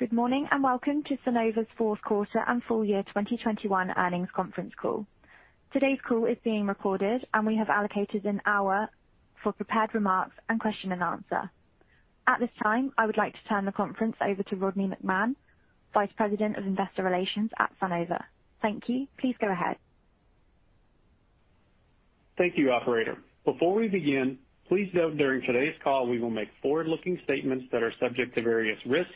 Good morning, and welcome to Sunnova's fourth quarter and full year 2021 earnings conference call. Today's call is being recorded, and we have allocated an hour for prepared remarks and question and answer. At this time, I would like to turn the conference over to Rodney McMahan, Vice President of Investor Relations at Sunnova. Thank you. Please go ahead. Thank you, operator. Before we begin, please note during today's call, we will make forward-looking statements that are subject to various risks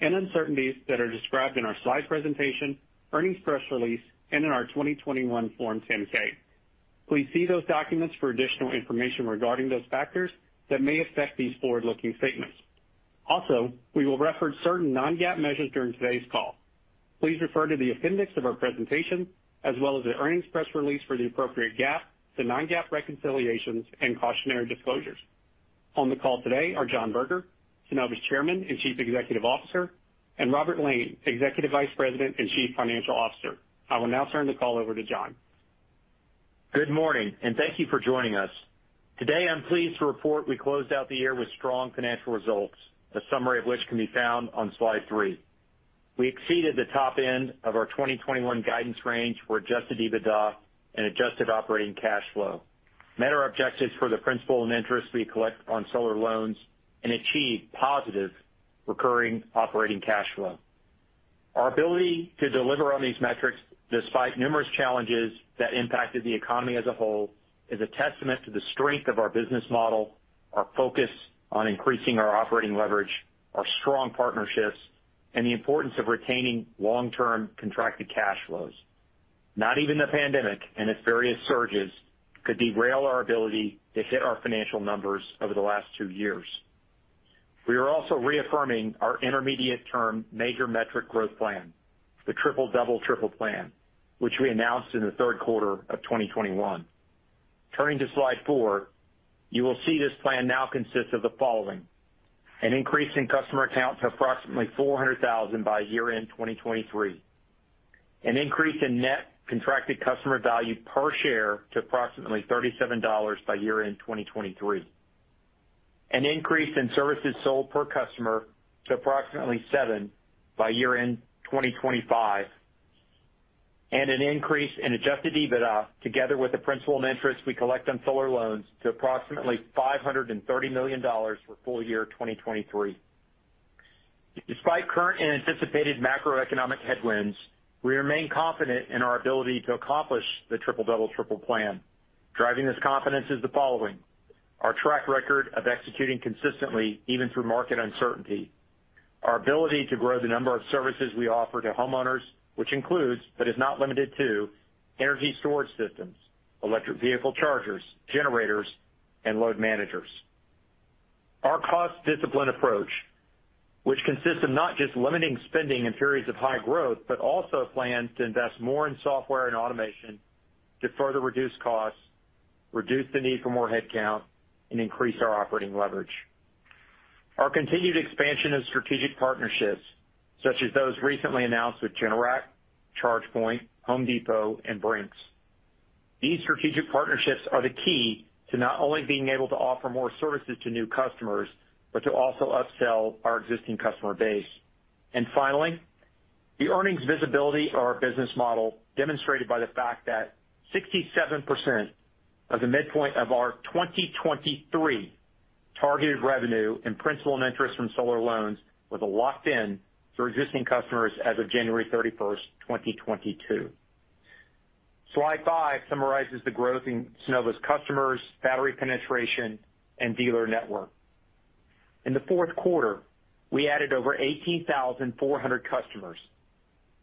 and uncertainties that are described in our slide presentation, earnings press release, and in our 2021 Form 10-K. Please see those documents for additional information regarding those factors that may affect these forward-looking statements. Also, we will reference certain non-GAAP measures during today's call. Please refer to the appendix of our presentation, as well as the earnings press release for the appropriate GAAP to non-GAAP reconciliations and cautionary disclosures. On the call today are John Berger, Sunnova's Chairman and Chief Executive Officer, and Robert Lane, Executive Vice President and Chief Financial Officer. I will now turn the call over to John. Good morning, and thank you for joining us. Today, I'm pleased to report we closed out the year with strong financial results, a summary of which can be found on slide three. We exceeded the top end of our 2021 guidance range for adjusted EBITDA and adjusted operating cash flow, met our objectives for the principal and interest we collect on solar loans, and achieved positive recurring operating cash flow. Our ability to deliver on these metrics despite numerous challenges that impacted the economy as a whole is a testament to the strength of our business model, our focus on increasing our operating leverage, our strong partnerships, and the importance of retaining long-term contracted cash flows. Not even the pandemic and its various surges could derail our ability to hit our financial numbers over the last two years. We are also reaffirming our intermediate-term major metric growth plan, the triple double triple plan, which we announced in the third quarter of 2021. Turning to slide four, you will see this plan now consists of the following, an increase in customer count to approximately 400,000 by year-end 2023, an increase in net contracted customer value per share to approximately $37 by year-end 2023, an increase in services sold per customer to approximately seven by year-end 2025, and an increase in adjusted EBITDA together with the principal and interest we collect on solar loans to approximately $530 million for full-year 2023. Despite current and anticipated macroeconomic headwinds, we remain confident in our ability to accomplish the triple-double triple plan. Driving this confidence is the following. Our track record of executing consistently even through market uncertainty. Our ability to grow the number of services we offer to homeowners, which includes, but is not limited to energy storage systems, electric vehicle chargers, generators, and load managers. Our cost discipline approach, which consists of not just limiting spending in periods of high growth, but also plans to invest more in software and automation to further reduce costs, reduce the need for more headcount, and increase our operating leverage. Our continued expansion of strategic partnerships, such as those recently announced with Generac, ChargePoint, Home Depot, and Brinks. These strategic partnerships are the key to not only being able to offer more services to new customers, but to also upsell our existing customer base. Finally, the earnings visibility of our business model demonstrated by the fact that 67% of the midpoint of our 2023 targeted revenue in principal and interest from solar loans was locked in through existing customers as of January 31, 2022. Slide five summarizes the growth in Sunnova's customers, battery penetration, and dealer network. In the fourth quarter, we added over 18,400 customers.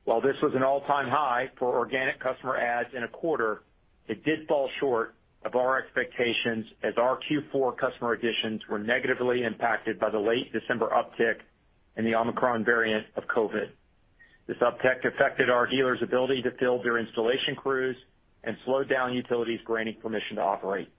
While this was an all-time high for organic customer adds in a quarter, it did fall short of our expectations as our Q4 customer additions were negatively impacted by the late December uptick in the Omicron variant of COVID. This uptick affected our dealers' ability to field their installation crews and slowed down utilities granting permission to operate.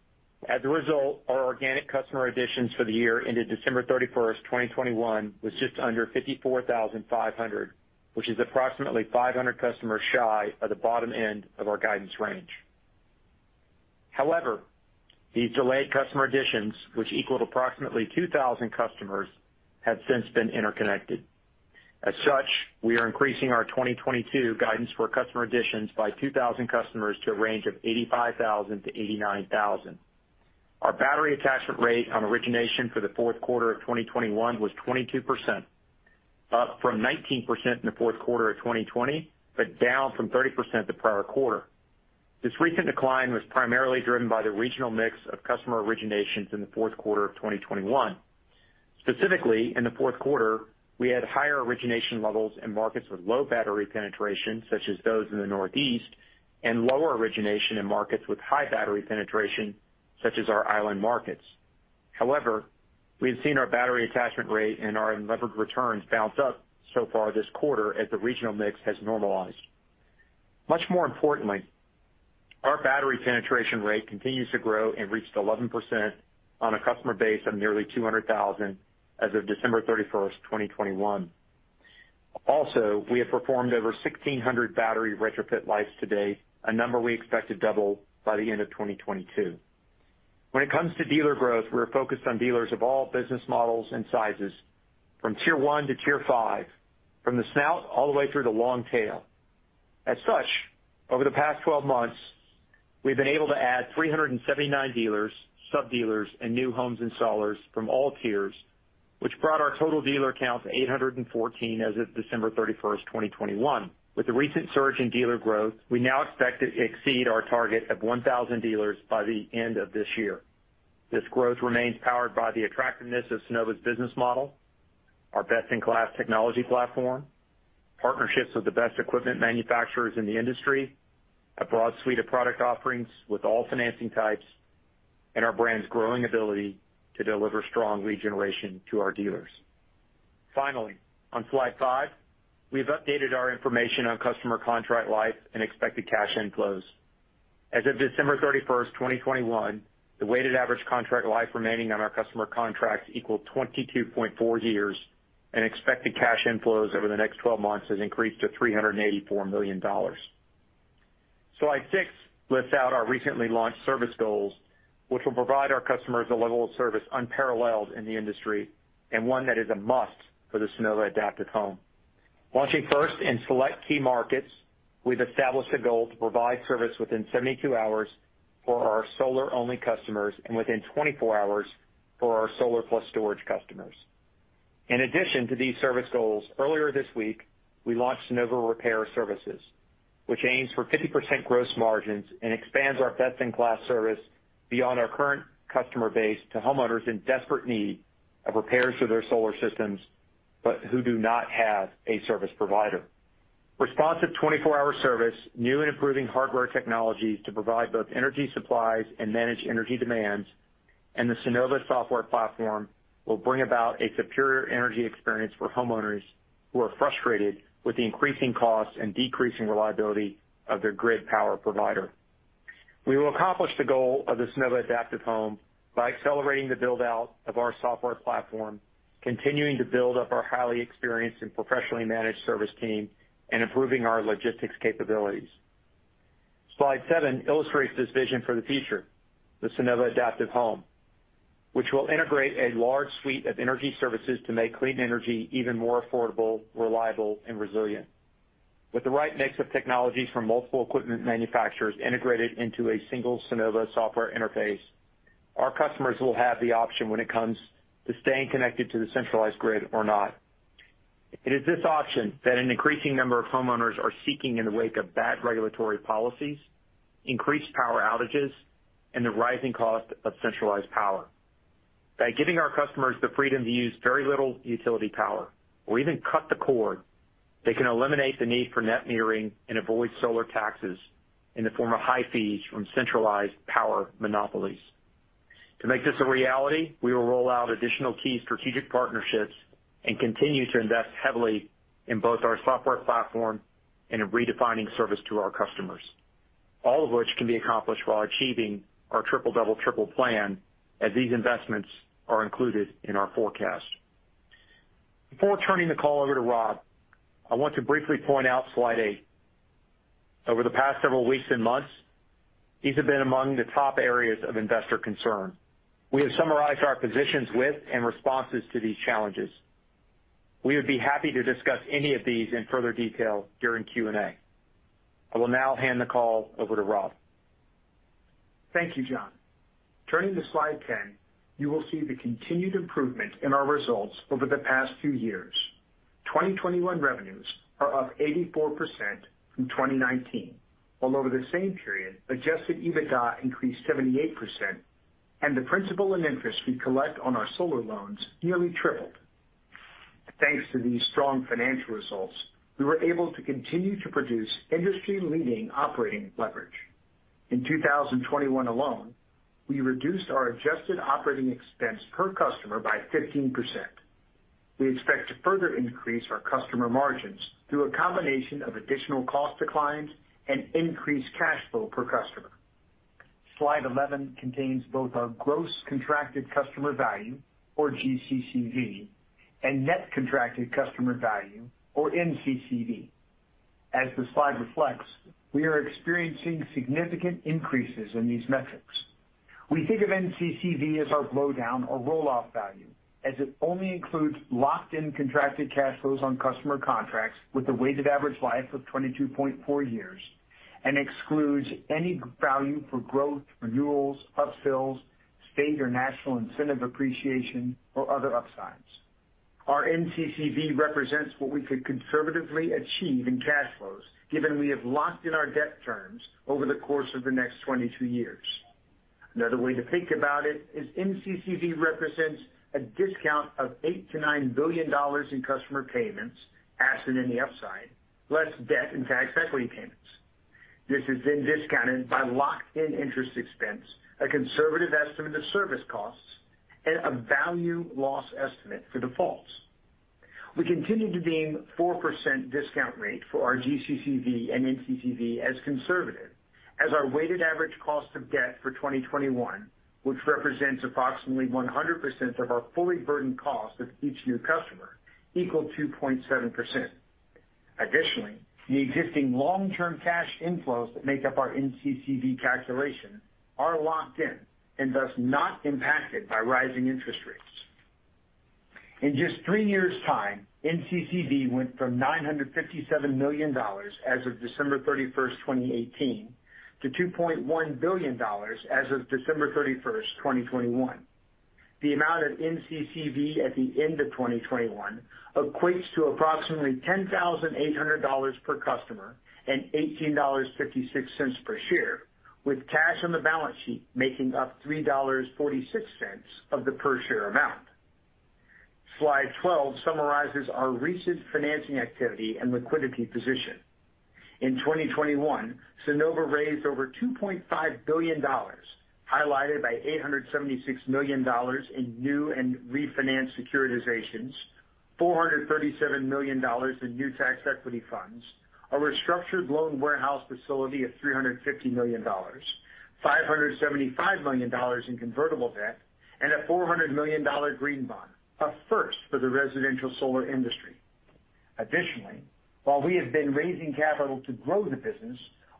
As a result, our organic customer additions for the year ended December 31, 2021, was just under 54,500, which is approximately 500 customers shy of the bottom end of our guidance range. However, these delayed customer additions, which equaled approximately 2,000 customers, have since been interconnected. As such, we are increasing our 2022 guidance for customer additions by 2,000 customers to a range of 85,000-89,000. Our battery attachment rate on origination for the fourth quarter of 2021 was 22%, up from 19% in the fourth quarter of 2020, but down from 30% the prior quarter. This recent decline was primarily driven by the regional mix of customer originations in the fourth quarter of 2021. Specifically, in the fourth quarter, we had higher origination levels in markets with low battery penetration, such as those in the Northeast, and lower origination in markets with high battery penetration, such as our island markets. However, we have seen our battery attachment rate and our unlevered returns bounce up so far this quarter as the regional mix has normalized. Much more importantly, our battery penetration rate continues to grow and reached 11% on a customer base of nearly 200,000 as of December 31, 2021. Also, we have performed over 1,600 battery retrofit lives to date, a number we expect to double by the end of 2022. When it comes to dealer growth, we're focused on dealers of all business models and sizes, from Tier 1 to Tier 5, from the snout all the way through the long tail. As such, over the past 12 months, we've been able to add 379 dealers, sub-dealers, and new homes installers from all tiers, which brought our total dealer count to 814 as of December 31, 2021. With the recent surge in dealer growth, we now expect to exceed our target of 1,000 dealers by the end of this year. This growth remains powered by the attractiveness of Sunnova's business model, our best-in-class technology platform, partnerships with the best equipment manufacturers in the industry, a broad suite of product offerings with all financing types, and our brand's growing ability to deliver strong lead generation to our dealers. Finally, on slide five, we've updated our information on customer contract life and expected cash inflows. As of December 31, 2021, the weighted average contract life remaining on our customer contracts equaled 22.4 years, and expected cash inflows over the next 12 months has increased to $384 million. Slide six lists out our recently launched service goals, which will provide our customers a level of service unparalleled in the industry, and one that is a must for the Sunnova Adaptive Home. Launching first in select key markets, we've established a goal to provide service within 72 hours for our solar-only customers and within 24 hours for our solar plus storage customers. In addition to these service goals, earlier this week, we launched Sunnova Repair Services, which aims for 50% gross margins and expands our best-in-class service beyond our current customer base to homeowners in desperate need of repairs to their solar systems, but who do not have a service provider. Responsive 24-hour service, new and improving hardware technologies to provide both energy supplies and manage energy demands, and the Sunnova software platform will bring about a superior energy experience for homeowners who are frustrated with the increasing costs and decreasing reliability of their grid power provider. We will accomplish the goal of the Sunnova Adaptive Home by accelerating the build-out of our software platform, continuing to build up our highly experienced and professionally managed service team, and improving our logistics capabilities. Slide seven illustrates this vision for the future, the Sunnova Adaptive Home, which will integrate a large suite of energy services to make clean energy even more affordable, reliable, and resilient. With the right mix of technologies from multiple equipment manufacturers integrated into a single Sunnova software interface, our customers will have the option when it comes to staying connected to the centralized grid or not. It is this option that an increasing number of homeowners are seeking in the wake of bad regulatory policies, increased power outages, and the rising cost of centralized power. By giving our customers the freedom to use very little utility power or even cut the cord, they can eliminate the need for net metering and avoid solar taxes in the form of high fees from centralized power monopolies. To make this a reality, we will roll out additional key strategic partnerships and continue to invest heavily in both our software platform and in redefining service to our customers, all of which can be accomplished while achieving our triple-double triple plan as these investments are included in our forecast. Before turning the call over to Rob, I want to briefly point out slide eight. Over the past several weeks and months, these have been among the top areas of investor concern. We have summarized our positions with and responses to these challenges. We would be happy to discuss any of these in further detail during Q&A. I will now hand the call over to Rob. Thank you, John. Turning to slide 10, you will see the continued improvement in our results over the past few years. 2021 revenues are up 84% from 2019, while over the same period, adjusted EBITDA increased 78% and the principal and interest we collect on our solar loans nearly tripled. Thanks to these strong financial results, we were able to continue to produce industry-leading operating leverage. In 2021 alone, we reduced our adjusted operating expense per customer by 15%. We expect to further increase our customer margins through a combination of additional cost declines and increased cash flow per customer. Slide 11 contains both our gross contracted customer value, or GCCV, and net contracted customer value or NCCV. As the slide reflects, we are experiencing significant increases in these metrics. We think of NCCV as our blowdown or roll-off value, as it only includes locked in contracted cash flows on customer contracts with a weighted average life of 22.4 years and excludes any value for growth, renewals, upsells, state or national incentive appreciation, or other upsides. Our NCCV represents what we could conservatively achieve in cash flows given we have locked in our debt terms over the course of the next 22 years. Another way to think about it is NCCV represents a discount of $8 billion-$9 billion in customer payments, absent any upside, less debt and tax equity payments. This is then discounted by locked-in interest expense, a conservative estimate of service costs, and a value loss estimate for defaults. We continue to deem 4% discount rate for our GCCV and NCCV as conservative as our weighted average cost of debt for 2021, which represents approximately 100% of our fully burdened cost of each new customer equaled 2.7%. Additionally, the existing long-term cash inflows that make up our NCCV calculation are locked in and thus not impacted by rising interest rates. In just three years' time, NCCV went from $957 million as of December 31, 2018 to $2.1 billion as of December 31, 2021. The amount of NCCV at the end of 2021 equates to approximately $10,800 per customer and $18.56 per share, with cash on the balance sheet making up $3.46 of the per share amount. Slide 12 summarizes our recent financing activity and liquidity position. In 2021, Sunnova raised over $2.5 billion, highlighted by $876 million in new and refinanced securitizations, $437 million in new tax equity funds, a restructured loan warehouse facility of $350 million, $575 million in convertible debt, and a $400 million green bond, a first for the residential solar industry. Additionally, while we have been raising capital to grow the business,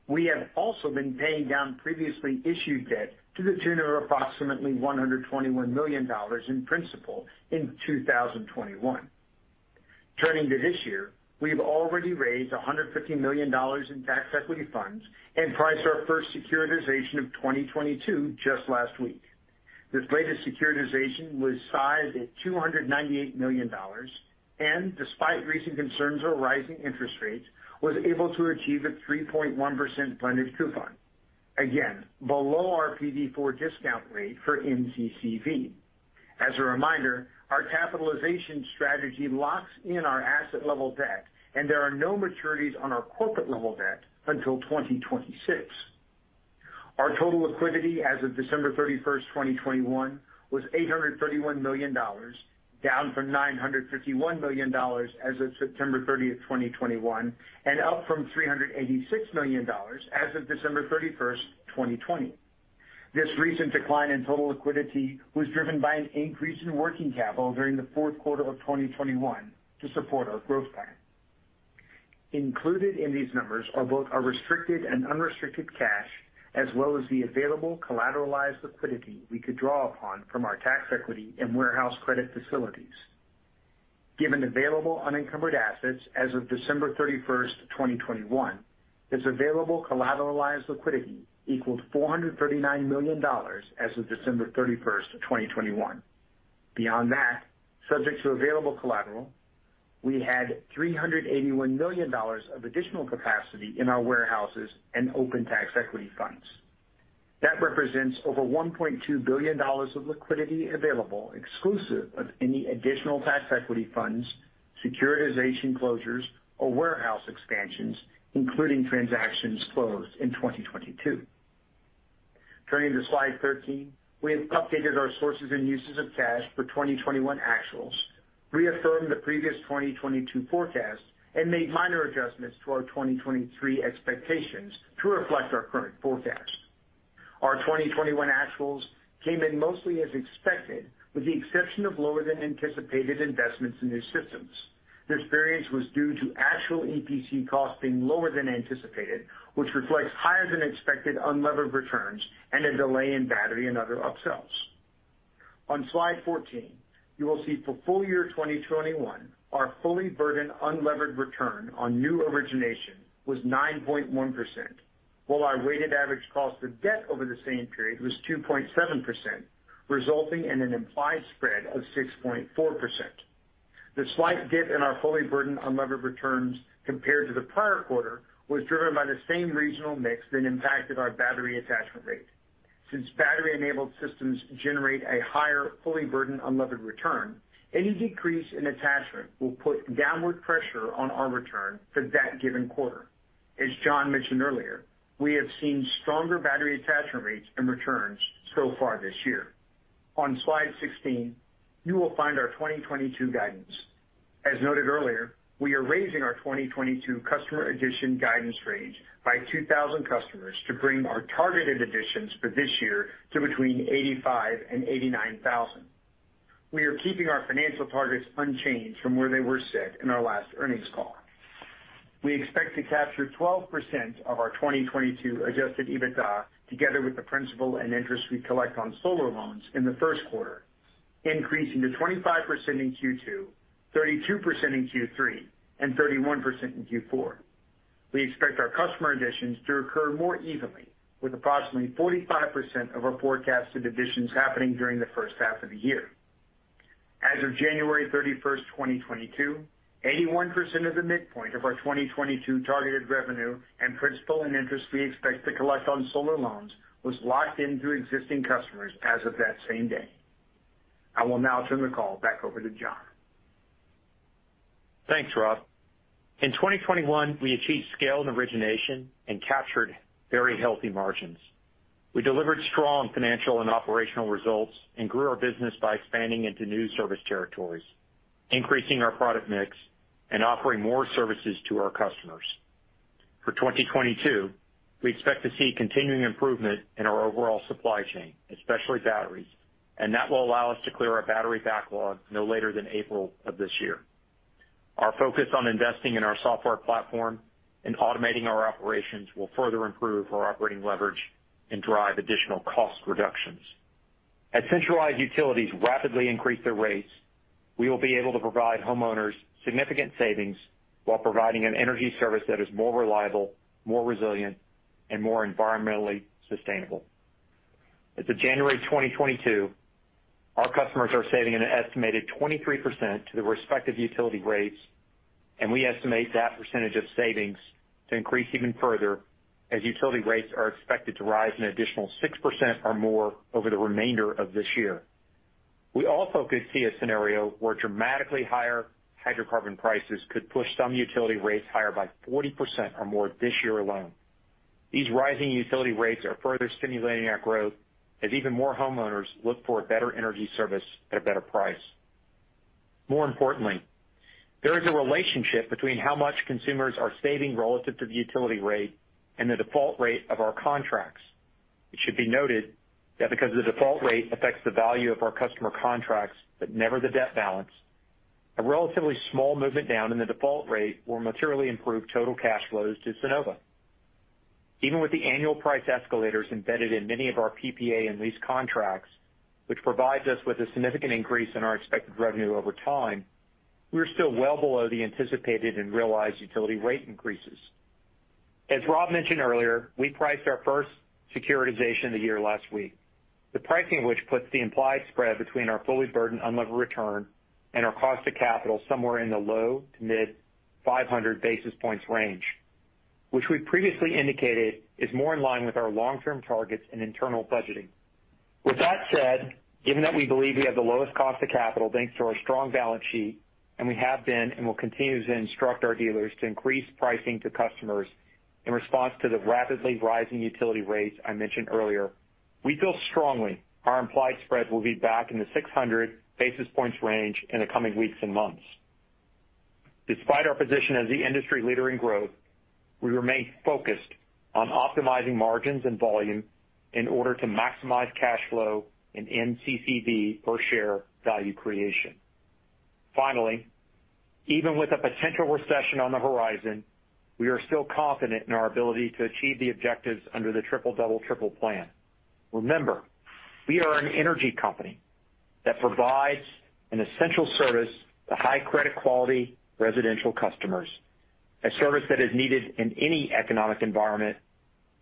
we have also been paying down previously issued debt to the tune of approximately $121 million in principal in 2021. Turning to this year, we've already raised $150 million in tax equity funds and priced our first securitization of 2022 just last week. This latest securitization was sized at $298 million, and despite recent concerns over rising interest rates, was able to achieve a 3.1% blended coupon. Again, below our PV4 discount rate for NCCV. As a reminder, our capitalization strategy locks in our asset level debt, and there are no maturities on our corporate level debt until 2026. Our total liquidity as of December 31, 2021 was $831 million, down from $951 million as of September 30, 2021, and up from $386 million as of December 31, 2020. This recent decline in total liquidity was driven by an increase in working capital during the fourth quarter of 2021 to support our growth plan. Included in these numbers are both our restricted and unrestricted cash, as well as the available collateralized liquidity we could draw upon from our tax equity and warehouse credit facilities. Given available unencumbered assets as of December 31, 2021, this available collateralized liquidity equaled $439 million as of December 31, 2021. Beyond that, subject to available collateral, we had $381 million of additional capacity in our warehouses and open tax equity funds. That represents over $1.2 billion of liquidity available exclusive of any additional tax equity funds, securitization closures, or warehouse expansions, including transactions closed in 2022. Turning to slide 13, we have updated our sources and uses of cash for 2021 actuals, reaffirmed the previous 2022 forecast, and made minor adjustments to our 2023 expectations to reflect our current forecast. Our 2021 actuals came in mostly as expected, with the exception of lower-than-anticipated investments in new systems. This variance was due to actual EPC costs being lower than anticipated, which reflects higher-than-expected unlevered returns and a delay in battery and other upsells. On slide 14, you will see for full year 2021, our fully burdened unlevered return on new origination was 9.1%, while our weighted average cost of debt over the same period was 2.7%, resulting in an implied spread of 6.4%. The slight dip in our fully burdened unlevered returns compared to the prior quarter was driven by the same regional mix that impacted our battery attachment rate. Since battery-enabled systems generate a higher fully burdened unlevered return, any decrease in attachment will put downward pressure on our return for that given quarter. As John mentioned earlier, we have seen stronger battery attachment rates and returns so far this year. On slide 16, you will find our 2022 guidance. As noted earlier, we are raising our 2022 customer addition guidance range by 2,000 customers to bring our targeted additions for this year to between 85,000 and 89,000. We are keeping our financial targets unchanged from where they were set in our last earnings call. We expect to capture 12% of our 2022 adjusted EBITDA together with the principal and interest we collect on solar loans in the first quarter, increasing to 25% in Q2, 32% in Q3, and 31% in Q4. We expect our customer additions to occur more evenly, with approximately 45% of our forecasted additions happening during the first half of the year. As of January 31, 2022, 81% of the midpoint of our 2022 targeted revenue and principal and interest we expect to collect on solar loans was locked in through existing customers as of that same day. I will now turn the call back over to John. Thanks, Rob. In 2021, we achieved scale and origination and captured very healthy margins. We delivered strong financial and operational results and grew our business by expanding into new service territories, increasing our product mix, and offering more services to our customers. For 2022, we expect to see continuing improvement in our overall supply chain, especially batteries, and that will allow us to clear our battery backlog no later than April of this year. Our focus on investing in our software platform and automating our operations will further improve our operating leverage and drive additional cost reductions. As centralized utilities rapidly increase their rates, we will be able to provide homeowners significant savings while providing an energy service that is more reliable, more resilient, and more environmentally sustainable. As of January 2022, our customers are saving an estimated 23% to the respective utility rates, and we estimate that percentage of savings to increase even further as utility rates are expected to rise an additional 6% or more over the remainder of this year. We also could see a scenario where dramatically higher hydrocarbon prices could push some utility rates higher by 40% or more this year alone. These rising utility rates are further stimulating our growth as even more homeowners look for a better energy service at a better price. More importantly, there is a relationship between how much consumers are saving relative to the utility rate and the default rate of our contracts. It should be noted that because the default rate affects the value of our customer contracts, but never the debt balance, a relatively small movement down in the default rate will materially improve total cash flows to Sunnova. Even with the annual price escalators embedded in many of our PPA and lease contracts, which provides us with a significant increase in our expected revenue over time, we are still well below the anticipated and realized utility rate increases. As Rob mentioned earlier, we priced our first securitization of the year last week, the pricing of which puts the implied spread between our fully burdened unlevered return and our cost of capital somewhere in the low to mid-500 basis points range, which we previously indicated is more in line with our long-term targets and internal budgeting. With that said, given that we believe we have the lowest cost of capital thanks to our strong balance sheet, and we have been and will continue to instruct our dealers to increase pricing to customers in response to the rapidly rising utility rates I mentioned earlier, we feel strongly our implied spread will be back in the 600 basis points range in the coming weeks and months. Despite our position as the industry leader in growth, we remain focused on optimizing margins and volume in order to maximize cash flow and NCCV per share value creation. Finally, even with a potential recession on the horizon, we are still confident in our ability to achieve the objectives under the triple-double triple plan. Remember, we are an energy company that provides an essential service to high-credit-quality residential customers, a service that is needed in any economic environment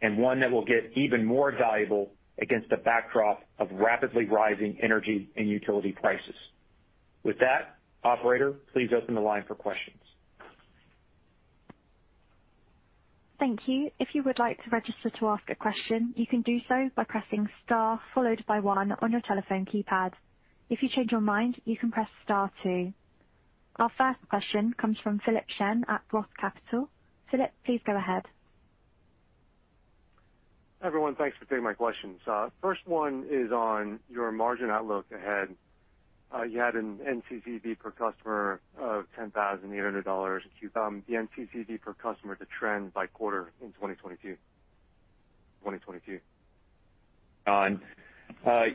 and one that will get even more valuable against the backdrop of rapidly rising energy and utility prices. With that, operator, please open the line for questions. Thank you. If you would like to register to ask a question, you can do so by pressing star followed by one on your telephone keyboard. If you change your mind, you can press star two. Our first question comes from Philip Shen at Roth Capital. Philip, please go ahead. Everyone, thanks for taking my questions. First one is on your margin outlook ahead. You had an NCCV per customer of $10,800. Do you expect the NCCV per customer to trend by quarter in 2022?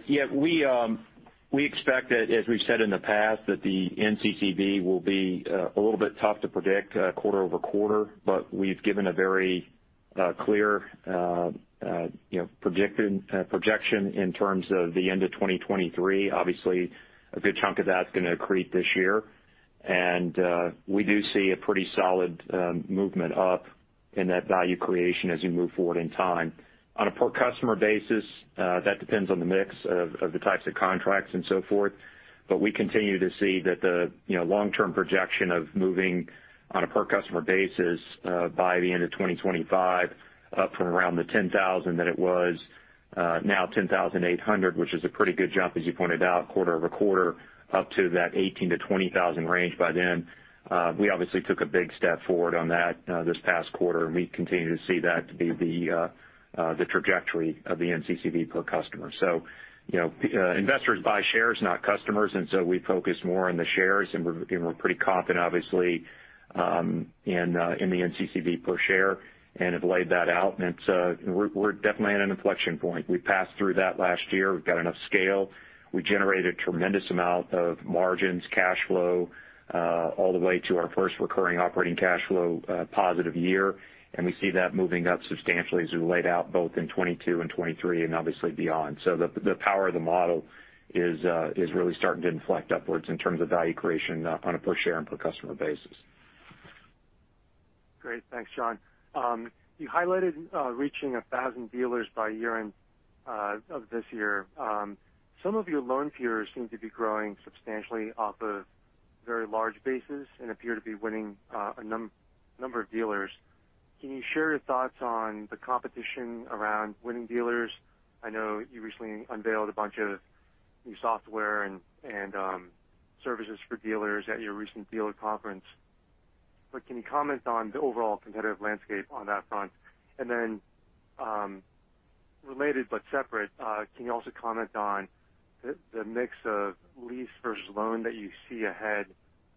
Yeah, we expect that, as we've said in the past, that the NCCV will be a little bit tough to predict quarter-over-quarter, but we've given a very clear, you know, projection in terms of the end of 2023. Obviously, a good chunk of that's gonna accrete this year. We do see a pretty solid movement up in that value creation as you move forward in time. On a per customer basis, that depends on the mix of the types of contracts and so forth. We continue to see that the, you know, long-term projection of moving on a per customer basis, by the end of 2025, up from around the $10,000 that it was, now $10,800, which is a pretty good jump, as you pointed out, quarter-over-quarter, up to that $18,000-$20,000 range by then. We obviously took a big step forward on that, this past quarter, and we continue to see that to be the trajectory of the NCCV per customer. You know, investors buy shares, not customers, and so we focus more on the shares, and we're pretty confident, obviously, in the NCCV per share and have laid that out. We're definitely at an inflection point. We passed through that last year. We've got enough scale. We generated a tremendous amount of margins, cash flow, all the way to our first recurring operating cash flow positive year, and we see that moving up substantially as we laid out both in 2022 and 2023 and obviously beyond. The power of the model is really starting to inflect upwards in terms of value creation on a per share and per customer basis. Great. Thanks, John. You highlighted reaching 1,000 dealers by year-end of this year. Some of your loan peers seem to be growing substantially off a very large basis and appear to be winning a number of dealers. Can you share your thoughts on the competition around winning dealers? I know you recently unveiled a bunch of new software and services for dealers at your recent dealer conference. Can you comment on the overall competitive landscape on that front? Related but separate, can you also comment on the mix of lease versus loan that you see ahead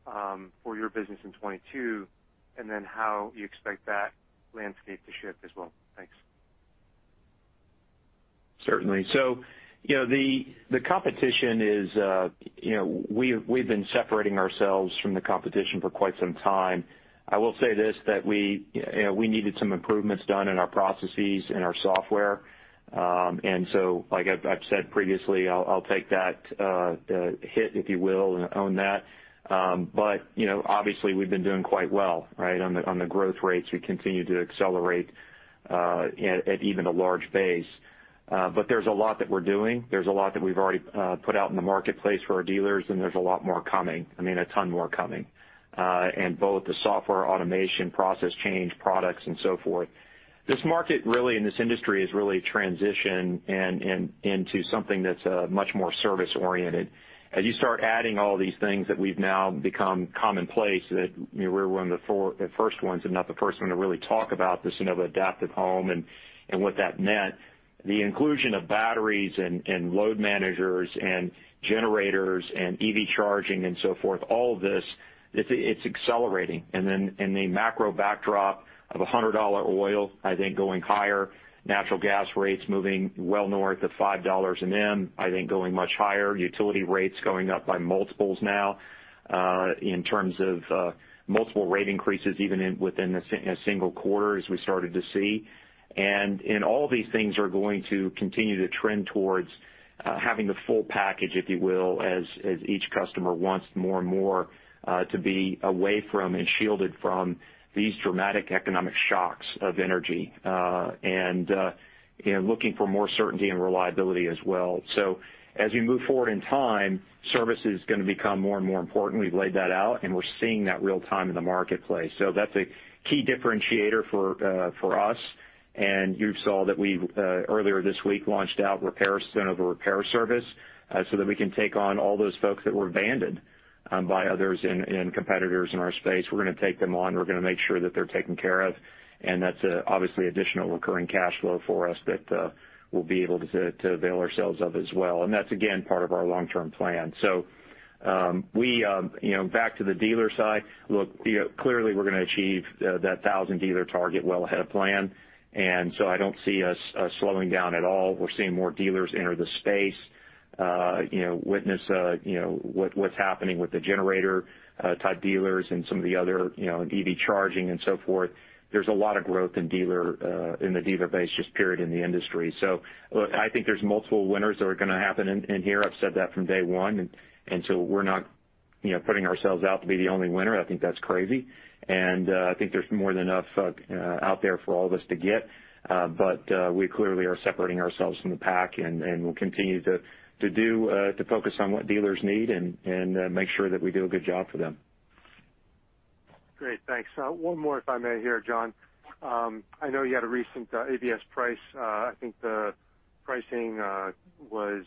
for your business in 2022, and then how you expect that landscape to shift as well? Thanks. Certainly. You know, the competition is, you know, we've been separating ourselves from the competition for quite some time. I will say this, that we needed some improvements done in our processes and our software. Like I've said previously, I'll take that hit if you will, and own that. You know, obviously we've been doing quite well, right? On the growth rates, we continue to accelerate at even a large base. There's a lot that we're doing. There's a lot that we've already put out in the marketplace for our dealers, and there's a lot more coming. I mean, a ton more coming. Both the software automation, process change, products, and so forth. This market really, and this industry has really transitioned and into something that's much more service-oriented. As you start adding all these things that have now become commonplace, you know, we're the first ones and not the first one to really talk about the Sunnova Adaptive Home and what that meant. The inclusion of batteries and load managers and generators and EV charging and so forth, all of this, it's accelerating. In the macro backdrop of $100 oil, I think going higher, natural gas rates moving well north of $5 an NM, I think going much higher, utility rates going up by multiples now, in terms of multiple rate increases even within a single quarter as we started to see. All these things are going to continue to trend towards having the full package, if you will, as each customer wants more and more to be away from and shielded from these dramatic economic shocks of energy, and you know, looking for more certainty and reliability as well. As we move forward in time, service is gonna become more and more important. We've laid that out, and we're seeing that in real time in the marketplace. That's a key differentiator for us. You saw that we've, earlier this week launched our Sunnova Repair Services, so that we can take on all those folks that were abandoned by others and competitors in our space. We're gonna take them on. We're gonna make sure that they're taken care of. That's obviously additional recurring cash flow for us that we'll be able to avail ourselves of as well. That's again part of our long-term plan. You know, back to the dealer side, look, you know, clearly we're gonna achieve that 1,000 dealer target well ahead of plan. I don't see us slowing down at all. We're seeing more dealers enter the space, you know, witness, you know, what's happening with the generator-type dealers and some of the other, you know, EV charging and so forth. There's a lot of growth in the dealer base just period in the industry. Look, I think there's multiple winners that are gonna happen in here. I've said that from day one, and so we're not, you know, putting ourselves out to be the only winner. I think that's crazy. I think there's more than enough out there for all of us to get. We clearly are separating ourselves from the pack and we'll continue to focus on what dealers need and make sure that we do a good job for them. Great. Thanks. One more if I may here, John. I know you had a recent ABS pricing. I think the pricing was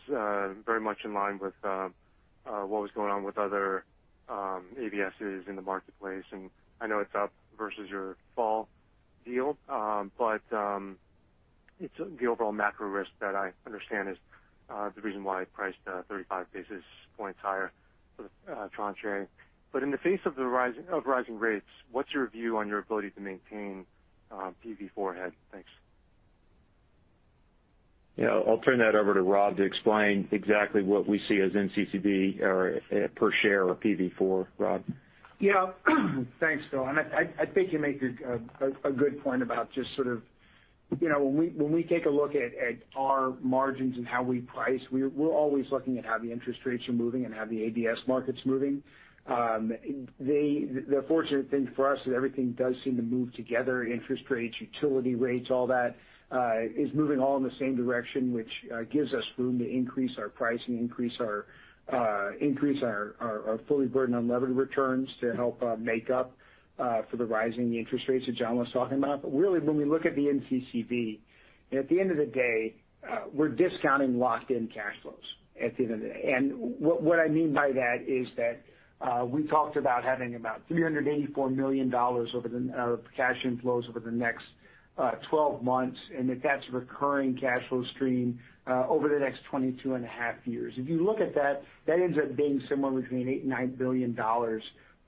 very much in line with what was going on with other ABSs in the marketplace, and I know it's up versus your fall deal. It's the overall macro risk that I understand is the reason why it priced 35 basis points higher for the tranche. In the face of rising rates, what's your view on your ability to maintain PV4 head? Thanks. Yeah. I'll turn that over to Rob to explain exactly what we see as NCCV or per share or PV4. Rob? Yeah. Thanks, Philip. I think you make a good point about just sort of you know when we take a look at our margins and how we price, we're always looking at how the interest rates are moving and how the ABS market's moving. The fortunate thing for us is everything does seem to move together, interest rates, utility rates, all that is moving all in the same direction, which gives us room to increase our pricing, increase our fully burdened unlevered returns to help make up for the rising interest rates that John was talking about. Really, when we look at the NCCV, at the end of the day, we're discounting locked in cash flows at the end of the day. What I mean by that is that we talked about having about $384 million in cash inflows over the next 12 months, and that's recurring cash flow stream over the next 22.5 years. If you look at that, it ends up being somewhere within $9 billion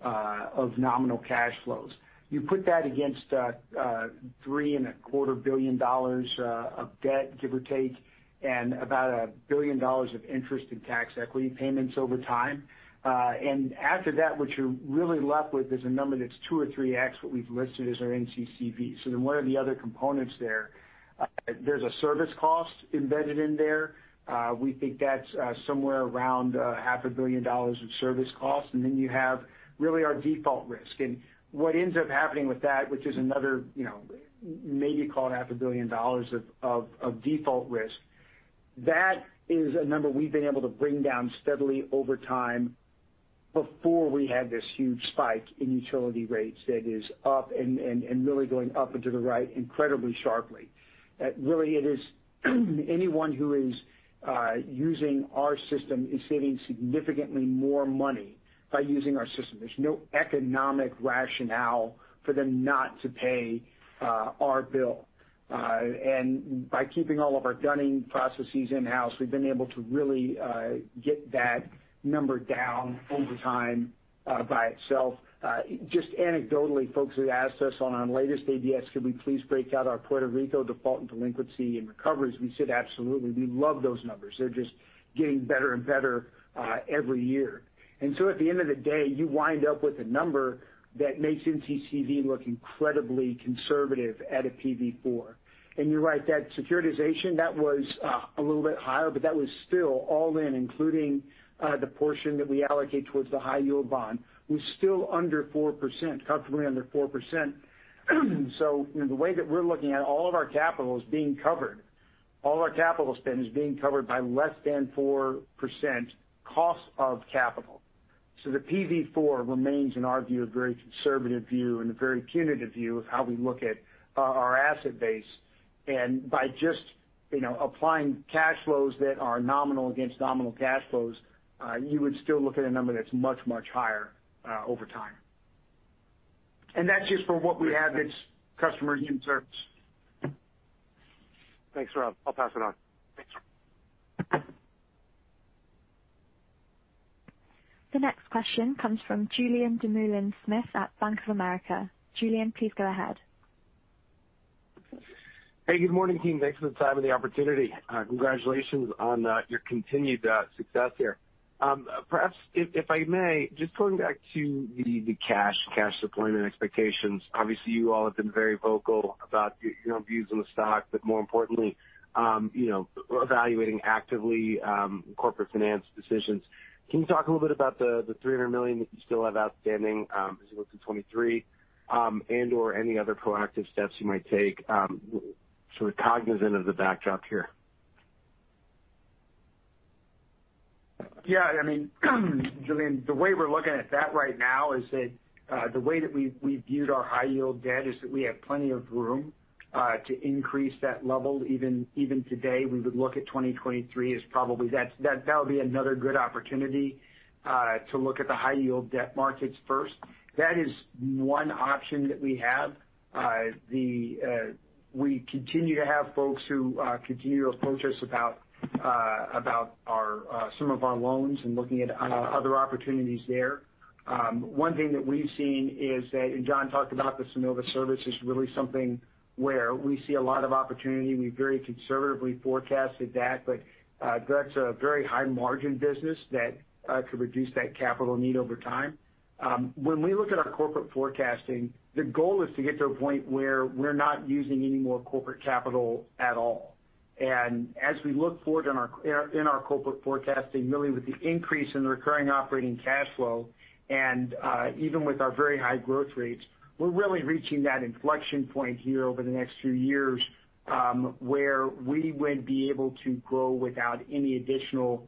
of nominal cash flows. You put that against $3.25 billion of debt, give or take, and about $1 billion of interest and tax equity payments over time. After that, what you're really left with is a number that's 2x or 3x what we've listed as our NCCV. What are the other components there? There's a service cost embedded in there. We think that's somewhere around a half a billion dollars of service costs. Then you have really our default risk. What ends up happening with that, which is another, you know, maybe call it half a billion dollars of default risk, that is a number we've been able to bring down steadily over time. Before we had this huge spike in utility rates that is up and really going up and to the right incredibly sharply. That really, it is anyone who is using our system is saving significantly more money by using our system. There's no economic rationale for them not to pay our bill. By keeping all of our dunning processes in-house, we've been able to really get that number down over time by itself. Just anecdotally, folks have asked us on our latest ABS, could we please break out our Puerto Rico default and delinquency and recoveries? We said, absolutely, we love those numbers. They're just getting better and better every year. At the end of the day, you wind up with a number that makes NCCV look incredibly conservative at a PV4. You're right, that securitization, that was a little bit higher, but that was still all in, including the portion that we allocate towards the high yield bond, was still under 4%, comfortably under 4%. The way that we're looking at all of our capital is being covered. All our capital spend is being covered by less than 4% cost of capital. The PV4 remains, in our view, a very conservative view and a very punitive view of how we look at our asset base. By just, you know, applying cash flows that are nominal against nominal cash flows, you would still look at a number that's much, much higher over time. That's just for what we have that's customers in service. Thanks, Rob. I'll pass it on. Thanks. The next question comes from Julien Dumoulin-Smith at Bank of America. Julian, please go ahead. Hey, good morning, team. Thanks for the time and the opportunity. Congratulations on your continued success here. Perhaps if I may, just going back to the cash deployment expectations. Obviously, you all have been very vocal about your views on the stock, but more importantly, you know, evaluating actively corporate finance decisions. Can you talk a little bit about the $300 million that you still have outstanding as we look to 2023 and/or any other proactive steps you might take, sort of cognizant of the backdrop here? Yeah, I mean, Julien, the way we're looking at that right now is that, the way that we viewed our high-yield debt is that we have plenty of room to increase that level. Even today, we would look at 2023 as probably that'll be another good opportunity to look at the high-yield debt markets first. That is one option that we have. We continue to have folks who continue to approach us about some of our loans and looking at other opportunities there. One thing that we've seen is that, John talked about this, Sunnova service is really something where we see a lot of opportunity. We very conservatively forecasted that, but, that's a very high margin business that could reduce that capital need over time. When we look at our corporate forecasting, the goal is to get to a point where we're not using any more corporate capital at all. As we look forward in our corporate forecasting, really with the increase in the recurring operating cash flow and even with our very high growth rates, we're really reaching that inflection point here over the next few years, where we would be able to grow without any additional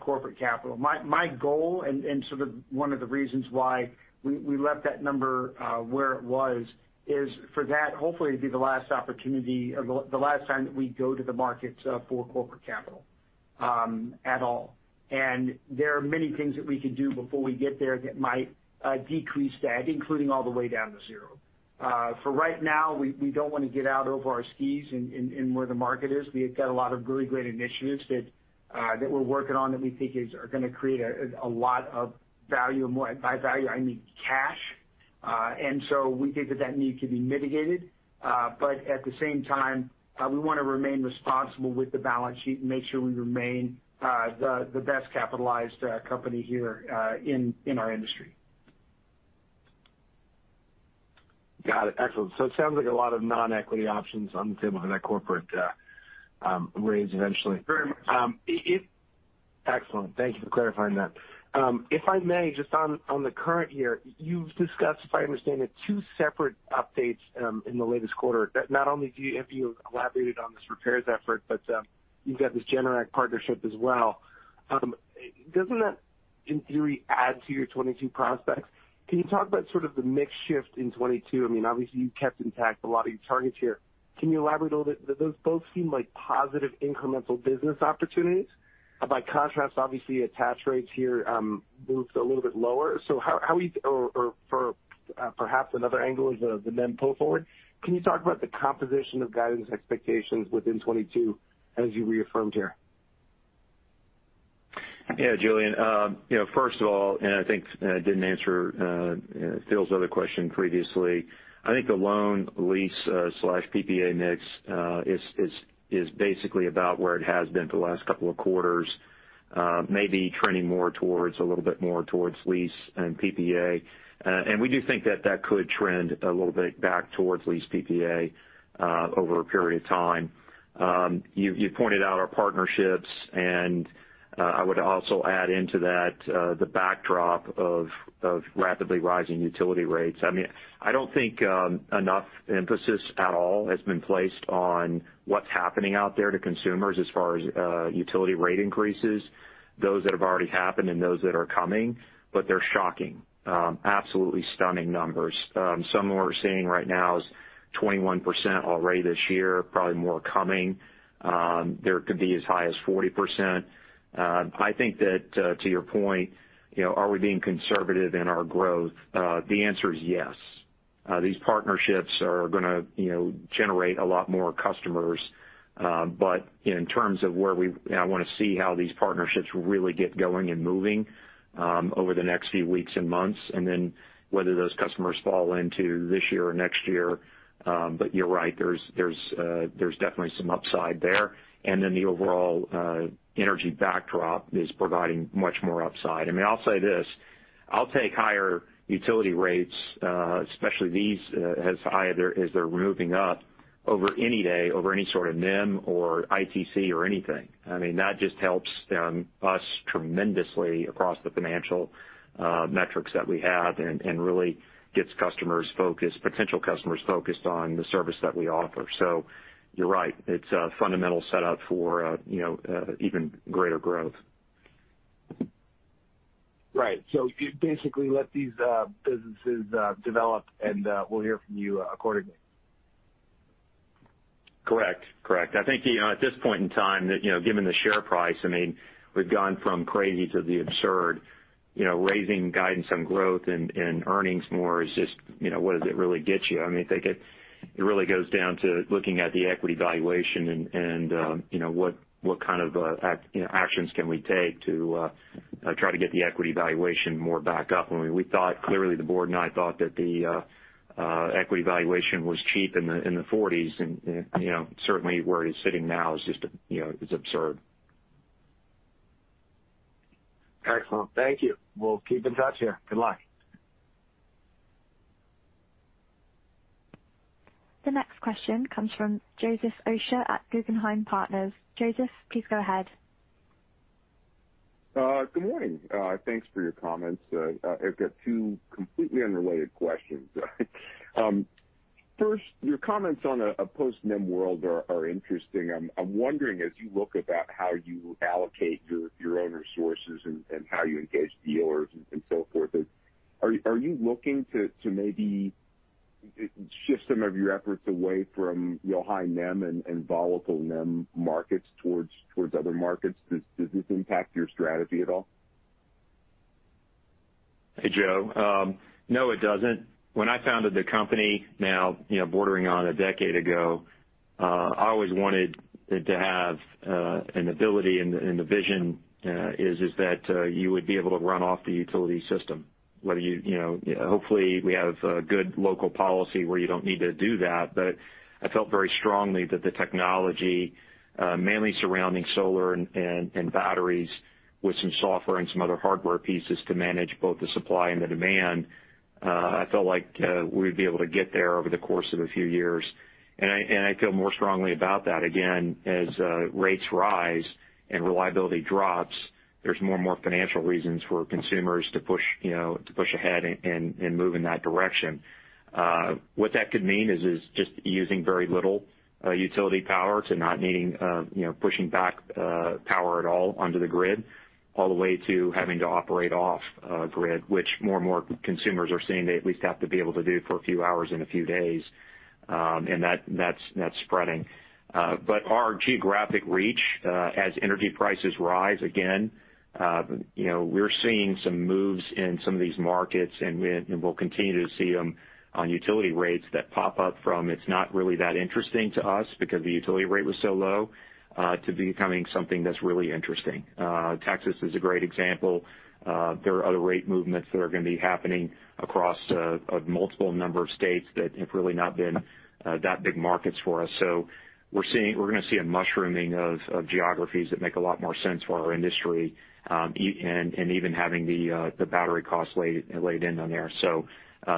corporate capital. My goal and sort of one of the reasons why we left that number where it was is for that hopefully to be the last opportunity or the last time that we go to the market for corporate capital at all. There are many things that we can do before we get there that might decrease that, including all the way down to zero. For right now, we don't want to get out over our skis in where the market is. We have got a lot of really great initiatives that we're working on that we think are gonna create a lot of value. By value, I mean cash. We think that, that need can be mitigated. At the same time, we wanna remain responsible with the balance sheet and make sure we remain the best capitalized company here in our industry. Got it. Excellent. It sounds like a lot of non-equity options on the table for that corporate raise eventually. Very much so. Excellent. Thank you for clarifying that. If I may, just on the current year, you've discussed, if I understand it, two separate updates in the latest quarter. That not only have you collaborated on this repairs effort, but you've got this Generac partnership as well. Doesn't that, in theory, add to your 2022 prospects? Can you talk about sort of the mix shift in 2022? I mean, obviously, you've kept intact a lot of your targets here. Can you elaborate a little bit? Those both seem like positive incremental business opportunities. By contrast, obviously, attach rates here moved a little bit lower. So how are we or for perhaps another angle is the NEM pull forward. Can you talk about the composition of guidance expectations within 2022 as you reaffirmed here? Yeah, Julien. You know, first of all, I think I didn't answer Philip's other question previously. I think the loan lease/PPA mix is basically about where it has been for the last couple of quarters, maybe trending more towards lease and PPA. We do think that could trend a little bit back towards lease PPA over a period of time. You pointed out our partnerships, and I would also add into that the backdrop of rapidly rising utility rates. I mean, I don't think enough emphasis at all has been placed on what's happening out there to consumers as far as utility rate increases, those that have already happened and those that are coming, but they're shocking. Absolutely stunning numbers. Some of what we're seeing right now is 21% already this year, probably more coming. There could be as high as 40%. I think that, to your point, you know, are we being conservative in our growth? The answer is yes. These partnerships are gonna, you know, generate a lot more customers. But in terms of, I wanna see how these partnerships really get going and moving, over the next few weeks and months, and then whether those customers fall into this year or next year. But you're right, there's definitely some upside there. The overall energy backdrop is providing much more upside. I mean, I'll say this, I'll take higher utility rates, especially these as high as they're moving up over any delay, over any sort of NEM or ITC or anything. I mean, that just helps us tremendously across the financial metrics that we have and really gets customers focused, potential customers focused on the service that we offer. You're right, it's a fundamental set-up for you know even greater growth. Right. You basically let these businesses develop, and we'll hear from you accordingly. Correct. I think, you know, at this point in time that, you know, given the share price, I mean, we've gone from crazy to the absurd. You know, raising guidance on growth and earnings more is just, you know, what does it really get you? I mean, I think it really goes down to looking at the equity valuation and, you know, what kind of actions can we take to try to get the equity valuation more back up. I mean, we thought clearly the board and I thought that the equity valuation was cheap in the forties and, you know, certainly where it is sitting now is just, you know, absurd. Excellent. Thank you. We'll keep in touch here. Good luck. The next question comes from Joseph Osha at Guggenheim Securities. Joseph, please go ahead. Good morning. Thanks for your comments. I've got two completely unrelated questions. First, your comments on a post-NEM world are interesting. I'm wondering, as you look about how you allocate your own resources and how you engage dealers and so forth, are you looking to maybe shift some of your efforts away from, you know, high NEM and volatile NEM markets towards other markets? Does this impact your strategy at all? Hey, Joe. No, it doesn't. When I founded the company, you know, bordering on a decade ago, I always wanted it to have an ability, and the vision is that you would be able to run off the utility system, whether you know, hopefully we have a good local policy where you don't need to do that. But I felt very strongly that the technology mainly surrounding solar and batteries with some software and some other hardware pieces to manage both the supply and the demand, I felt like we'd be able to get there over the course of a few years. I feel more strongly about that. Again, as rates rise and reliability drops, there's more and more financial reasons for consumers to push, you know, to push ahead and move in that direction. What that could mean is just using very little utility power to not needing you know pushing back power at all onto the grid, all the way to having to operate off grid, which more and more consumers are seeing they at least have to be able to do for a few hours and a few days. That's spreading. Our geographic reach, as energy prices rise again, you know, we're seeing some moves in some of these markets, and we'll continue to see them on utility rates that pop up from it's not really that interesting to us because the utility rate was so low to becoming something that's really interesting. Texas is a great example. There are other rate movements that are gonna be happening across a multiple number of states that have really not been that big markets for us. We're gonna see a mushrooming of geographies that make a lot more sense for our industry, and even having the battery costs laid in on there.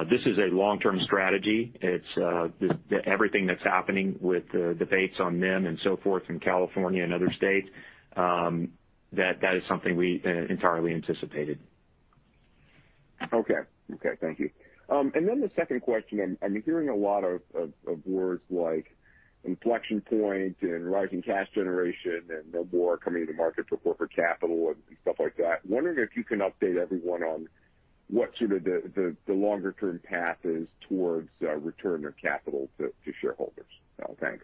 This is a long-term strategy. It's everything that's happening with the debates on NEM and so forth in California and other states, that is something we entirely anticipated. Okay. Thank you. The second question, I'm hearing a lot of words like inflection point and rising cash generation and no more coming into market for corporate capital and stuff like that. Wondering if you can update everyone on what sort of the longer-term path is towards return of capital to shareholders. Thanks.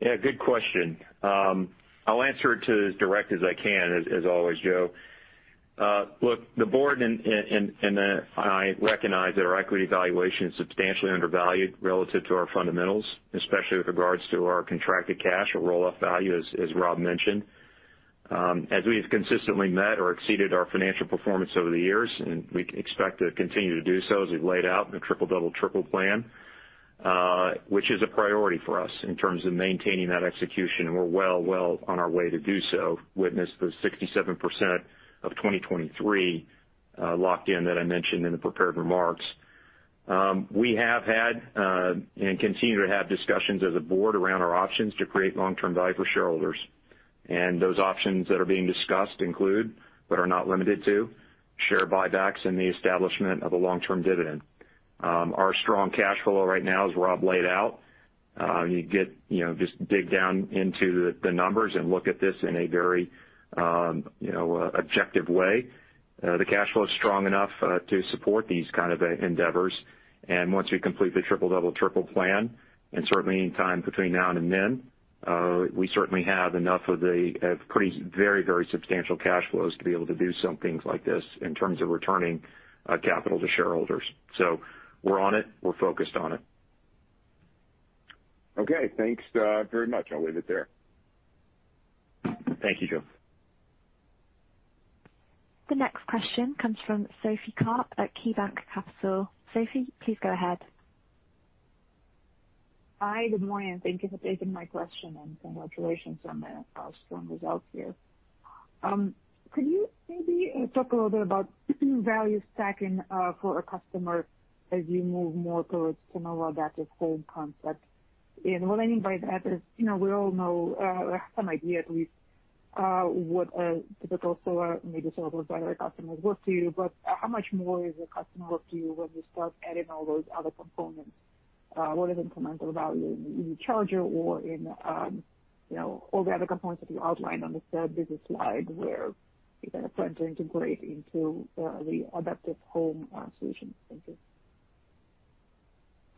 Yeah, good question. I'll answer it as directly as I can, as always, Joe. Look, the board and I recognize that our equity valuation is substantially undervalued relative to our fundamentals, especially with regards to our contracted cash or roll-off value, as Rob mentioned. As we've consistently met or exceeded our financial performance over the years, and we expect to continue to do so as we've laid out in the triple-double triple plan, which is a priority for us in terms of maintaining that execution. We're well on our way to do so. Witness the 67% of 2023 locked in that I mentioned in the prepared remarks. We have had and continue to have discussions as a board around our options to create long-term value for shareholders. Those options that are being discussed include, but are not limited to, share buybacks and the establishment of a long-term dividend. Our strong cash flow right now, as Rob laid out, just dig down into the numbers and look at this in a very objective way. The cash flow is strong enough to support these kind of endeavors. Once we complete the triple-double triple plan, and certainly anytime between now and then, we certainly have enough of the very substantial cash flows to be able to do some things like this in terms of returning capital to shareholders. We're on it. We're focused on it. Okay. Thanks, very much. I'll leave it there. Thank you, Joe. The next question comes from Sophie Karp at KeyBanc Capital. Sophie, please go ahead. Hi, good morning, and thank you for taking my question, and congratulations on the strong results here. Could you maybe talk a little bit about value stacking for a customer as you move more towards you know adaptive home concept? What I mean by that is, you know, we all know or have some idea at least what a typical solar, maybe solar battery customer is worth to you, but how much more is a customer worth to you when you start adding all those other components? What is incremental value in EV charger or in you know all the other components that you outlined on the third business slide where you're gonna plan to integrate into the Adaptive Home solution. Thank you.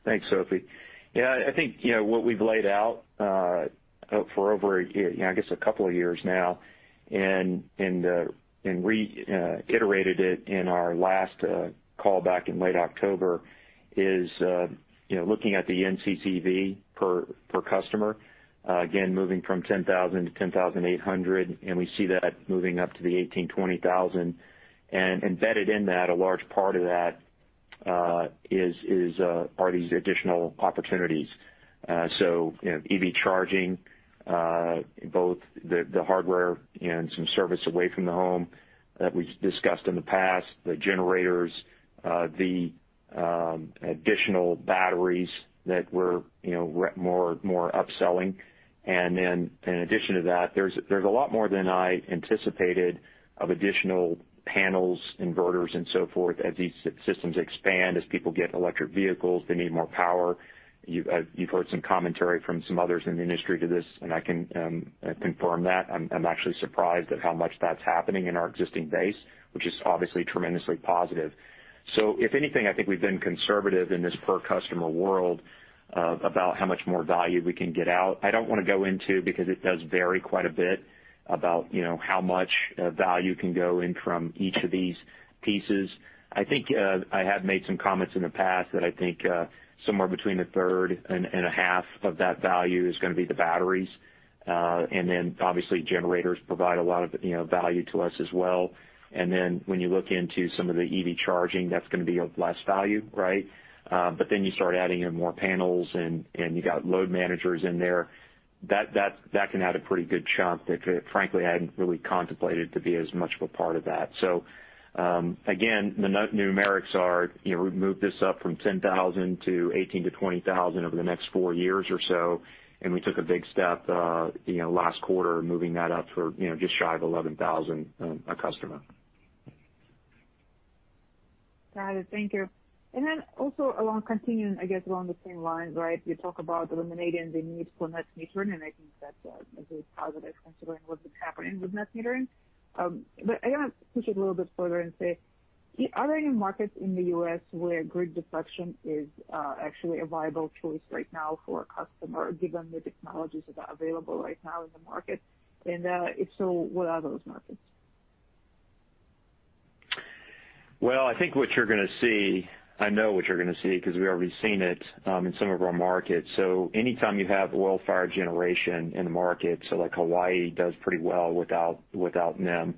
Thanks, Sophie. Yeah, I think, you know, what we've laid out for over a year, you know, I guess a couple of years now and reiterated it in our last call back in late October is, you know, looking at the NCCV per customer, again, moving from 10,000 to 10,800, and we see that moving up to the 18,000-20,000. Embedded in that, a large part of that is are these additional opportunities. You know, EV charging, both the hardware and some service away from the home that we discussed in the past, the generators, the additional batteries that we're, you know, we're more upselling. Then in addition to that, there's a lot more than I anticipated of additional panels, inverters and so forth as these systems expand, as people get electric vehicles, they need more power. You've heard some commentary from some others in the industry to this, and I can confirm that. I'm actually surprised at how much that's happening in our existing base, which is obviously tremendously positive. If anything, I think we've been conservative in this per customer world about how much more value we can get out. I don't wanna go into because it does vary quite a bit about, you know, how much value can go in from each of these pieces. I think I have made some comments in the past that I think somewhere between a third and a half of that value is gonna be the batteries. Obviously generators provide a lot of, you know, value to us as well. When you look into some of the EV charging, that's gonna be of less value, right? You start adding in more panels and you got load managers in there, that can add a pretty good chunk that quite frankly, I hadn't really contemplated to be as much of a part of that. Again, the numerics are, you know, we've moved this up from 10,000 to 18,000 to 20,000 over the next four years or so, and we took a big step, you know, last quarter, moving that up to, you know, just shy of 11,000 a customer. Got it. Thank you. Also, continuing along the same lines, I guess, right? You talk about eliminating the need for net metering, and I think that's very positive considering what's happening with net metering. But I wanna push it a little bit further and say, are there any markets in the U.S. where grid deflection is actually a viable choice right now for a customer, given the technologies that are available right now in the market? If so, what are those markets? Well, I think what you're gonna see, I know what you're gonna see 'cause we've already seen it, in some of our markets. Anytime you have oil-fired generation in the market, like Hawaii does pretty well without NEM.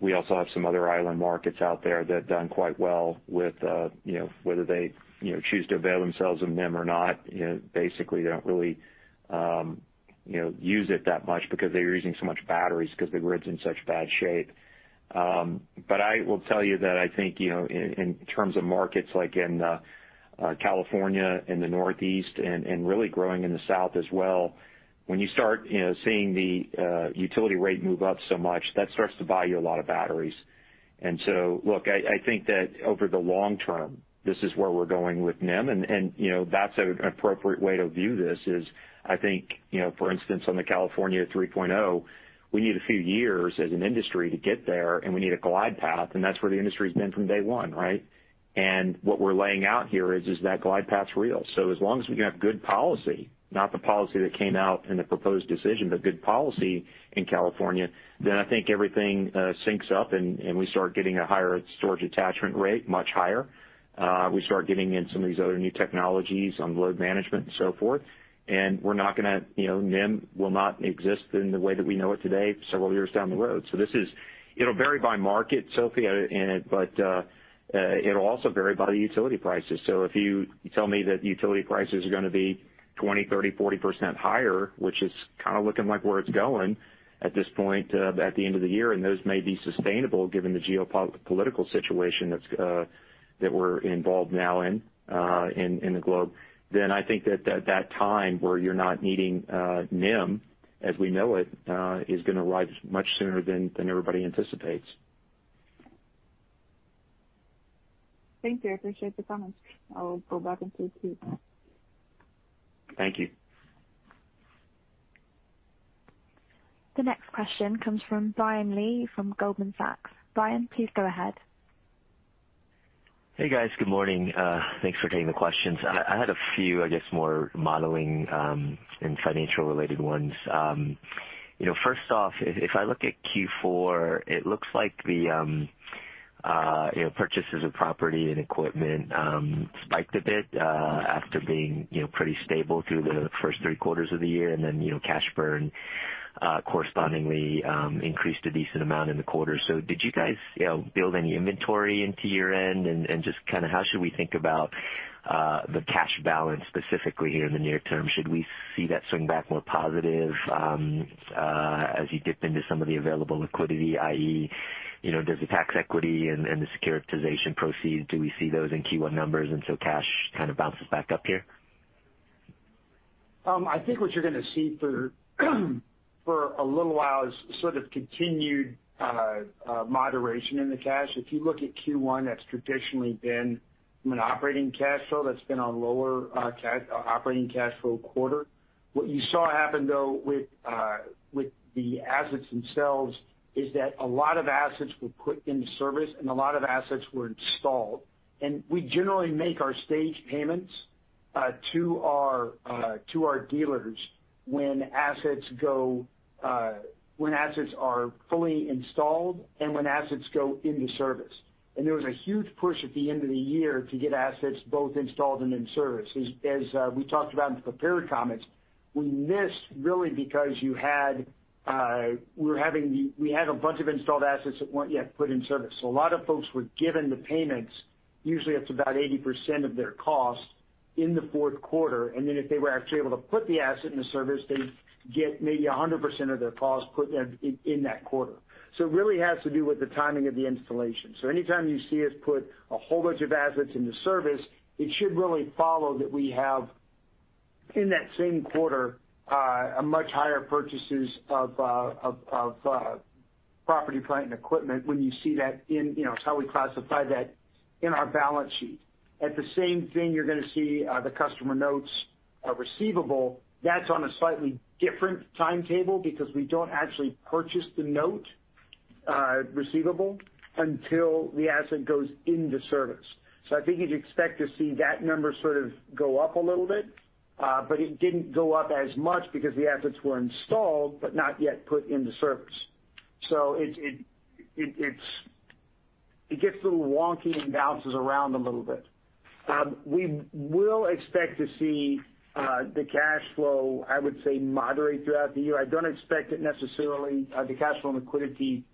We also have some other island markets out there that have done quite well with, you know, whether they, you know, choose to avail themselves of NEM or not, you know, basically, they don't really use it that much because they're using so much batteries 'cause the grid's in such bad shape. I will tell you that I think, you know, in terms of markets like in California and the Northeast and really growing in the South as well, when you start, you know, seeing the utility rate move up so much, that starts to buy you a lot of batteries. Look, I think that over the long term, this is where we're going with NEM and, you know, that's an appropriate way to view this is, I think, you know, for instance, on the California 3.0, we need a few years as an industry to get there, and we need a glide path, and that's where the industry's been from day one, right? What we're laying out here is that glide path's real. As long as we can have good policy, not the policy that came out in the proposed decision, but good policy in California, then I think everything syncs up and we start getting a higher storage attachment rate, much higher. We start getting in some of these other new technologies on load management and so forth. We're not gonna, you know, NEM will not exist in the way that we know it today several years down the road. It'll vary by market, Sophie, and it'll also vary by the utility prices. If you tell me that utility prices are gonna be 20%, 30%, 40% higher, which is kinda looking like where it's going at this point, at the end of the year, and those may be sustainable given the geopolitical situation that's that we're involved now in the globe, then I think that time where you're not needing NEM as we know it is gonna arrive much sooner than everybody anticipates. Thank you. I appreciate the comments. I'll go back into queue. Thank you. The next question comes from Brian Lee, from Goldman Sachs. Brian, please go ahead. Hey guys, good morning. Thanks for taking the questions. I had a few, I guess, more modeling and financial-related ones. You know, first off, if I look at Q4, it looks like the you know, purchases of property and equipment spiked a bit after being you know, pretty stable through the first three quarters of the year. Cash burn correspondingly increased a decent amount in the quarter. Did you guys you know, build any inventory into year-end? And just kinda how should we think about the cash balance specifically here in the near term? Should we see that swing back more positive as you dip into some of the available liquidity, i.e., you know, does the tax equity and the securitization proceed? Do we see those in Q1 numbers, and so cash kind of bounces back up here? I think what you're gonna see for a little while is sort of continued moderation in the cash. If you look at Q1, that's traditionally been our lower operating cash flow quarter. What you saw happen though with the assets themselves is that a lot of assets were put into service and a lot of assets were installed. We generally make our stage payments to our dealers when assets are fully installed and when assets go into service. There was a huge push at the end of the year to get assets both installed and in service. We talked about in the prepared comments, we missed really because you had we had a bunch of installed assets that weren't yet put in service. A lot of folks were given the payments, usually it's about 80% of their cost in the fourth quarter, and then if they were actually able to put the asset into service, they'd get maybe 100% of their cost put in in that quarter. It really has to do with the timing of the installation. Anytime you see us put a whole bunch of assets into service, it should really follow that we have in that same quarter a much higher purchases of property plant and equipment when you see that in, you know, it's how we classify that in our balance sheet. At the same time, you're gonna see the customer notes receivable. That's on a slightly different timetable because we don't actually purchase the note receivable until the asset goes into service. I think you'd expect to see that number sort of go up a little bit, but it didn't go up as much because the assets were installed but not yet put into service. It's a little wonky and bounces around a little bit. We will expect to see the cash flow, I would say, moderate throughout the year. I don't expect necessarily the cash flow and liquidity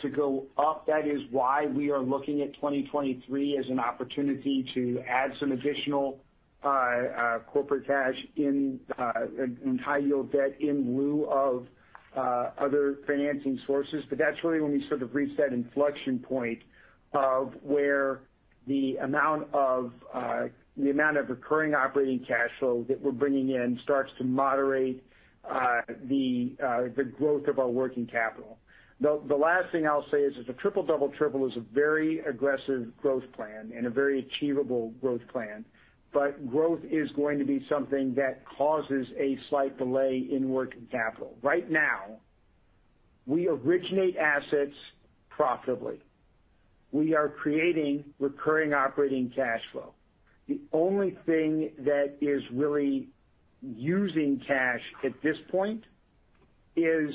to go up. That is why we are looking at 2023 as an opportunity to add some additional corporate cash in high-yield debt in lieu of other financing sources. That's really when we sort of reach that inflection point of where the amount of recurring operating cash flow that we're bringing in starts to moderate the growth of our working capital. The last thing I'll say is that the triple-double triple is a very aggressive growth plan and a very achievable growth plan, but growth is going to be something that causes a slight delay in working capital. Right now, we originate assets profitably. We are creating recurring operating cash flow. The only thing that is really using cash at this point is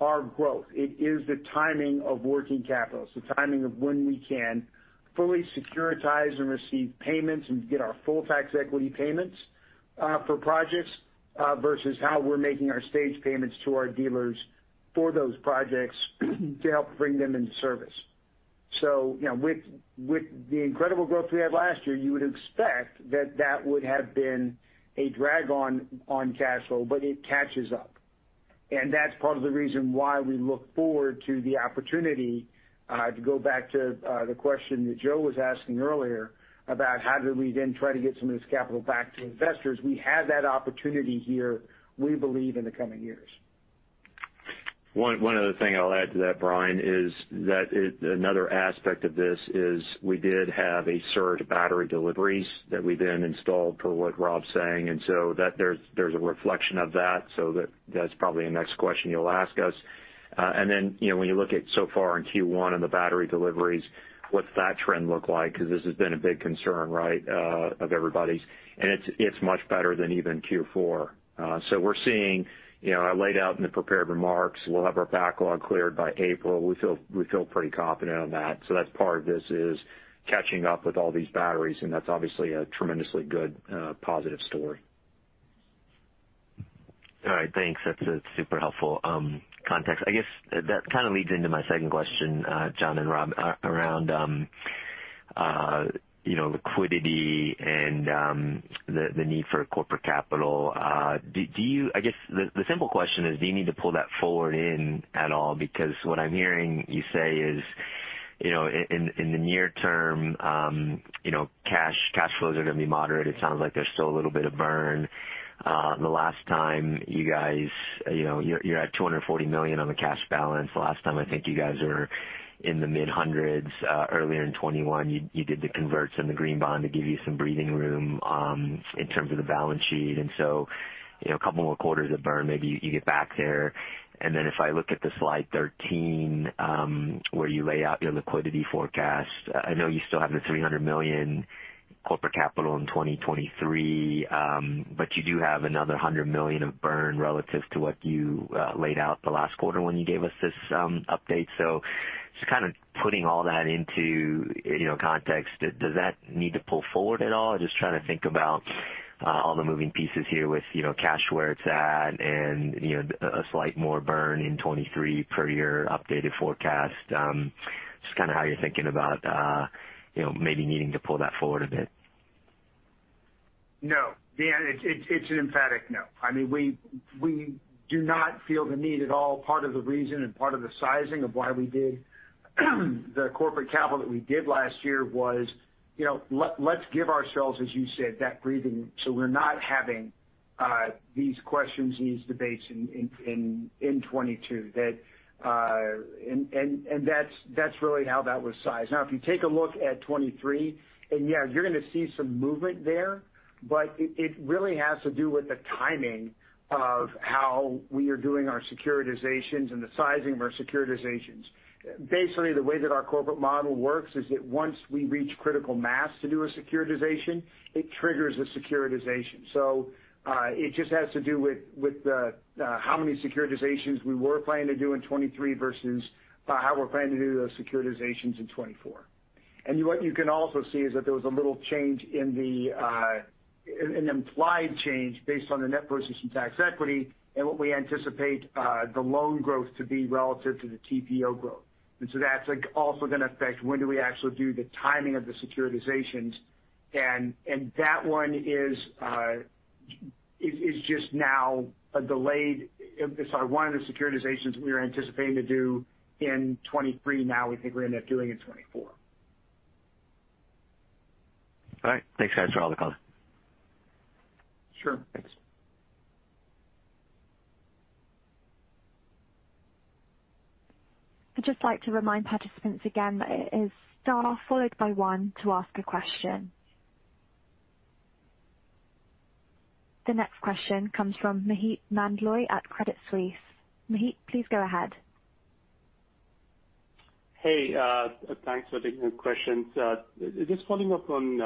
our growth. It is the timing of working capital. It's the timing of when we can fully securitize and receive payments and get our full tax equity payments for projects versus how we're making our stage payments to our dealers for those projects to help bring them into service. You know, with the incredible growth we had last year, you would expect that that would have been a drag on cash flow, but it catches up. That's part of the reason why we look forward to the opportunity to go back to the question that Joe was asking earlier about how do we then try to get some of this capital back to investors. We have that opportunity here, we believe in the coming years. One other thing I'll add to that, Brian, is that another aspect of this is we did have a surge of battery deliveries that we then installed per what Rob's saying. That there's a reflection of that. That's probably the next question you'll ask us. Then, you know, when you look at so far in Q1 and the battery deliveries, what's that trend look like? Because this has been a big concern, right, of everybody's. It's much better than even Q4. We're seeing, you know, I laid out in the prepared remarks, we'll have our backlog cleared by April. We feel pretty confident on that. That's part of this is catching up with all these batteries, and that's obviously a tremendously good positive story. All right, thanks. That's a super helpful context. I guess that kind of leads into my second question, John and Rob, around you know, liquidity and the need for corporate capital. I guess the simple question is, do you need to pull that forward in at all? Because what I'm hearing you say is, you know, in the near term, you know, cash flows are gonna be moderate. It sounds like there's still a little bit of burn. The last time you guys you know, you're at $240 million on the cash balance. The last time I think you guys were in the mid-hundreds, earlier in 2021, you did the converts and the green bond to give you some breathing room in terms of the balance sheet. You know, a couple more quarters of burn, maybe you get back there. If I look at the slide 13, where you lay out your liquidity forecast, I know you still have the $300 million Corporate capital in 2023, but you do have another $100 million of burn relative to what you laid out the last quarter when you gave us this update. Just kind of putting all that into, you know, context, does that need to pull forward at all? Just trying to think about all the moving pieces here with, you know, cash where it's at and, you know, a slightly more burn in 2023 per your updated forecast. Just kinda how you're thinking about, you know, maybe needing to pull that forward a bit. No, it's an emphatic no. I mean, we do not feel the need at all. Part of the reason and part of the sizing of why we did the corporate capital that we did last year was, you know, let's give ourselves, as you said, that breathing so we're not having these questions and these debates in 2022. That's really how that was sized. Now, if you take a look at 2023 and yeah, you're gonna see some movement there, but it really has to do with the timing of how we are doing our securitizations and the sizing of our securitizations. Basically, the way that our corporate model works is that once we reach critical mass to do a securitization, it triggers a securitization. It just has to do with how many securitizations we were planning to do in 2023 versus how we're planning to do those securitizations in 2024. What you can also see is that there was a little change in an implied change based on the net versus some tax equity and what we anticipate the loan growth to be relative to the TPO growth. That's, like, also gonna affect when do we actually do the timing of the securitizations. That one is just now a delayed one of the securitizations we were anticipating to do in 2023. Now we think we're gonna end up doing in 2024. All right. Thanks, guys, for all the color. Sure. Thanks. I'd just like to remind participants again that it is star followed by one to ask a question. The next question comes from Maheep Mandloi at Credit Suisse. Maheep, please go ahead. Hey, thanks for taking the questions. Just following up on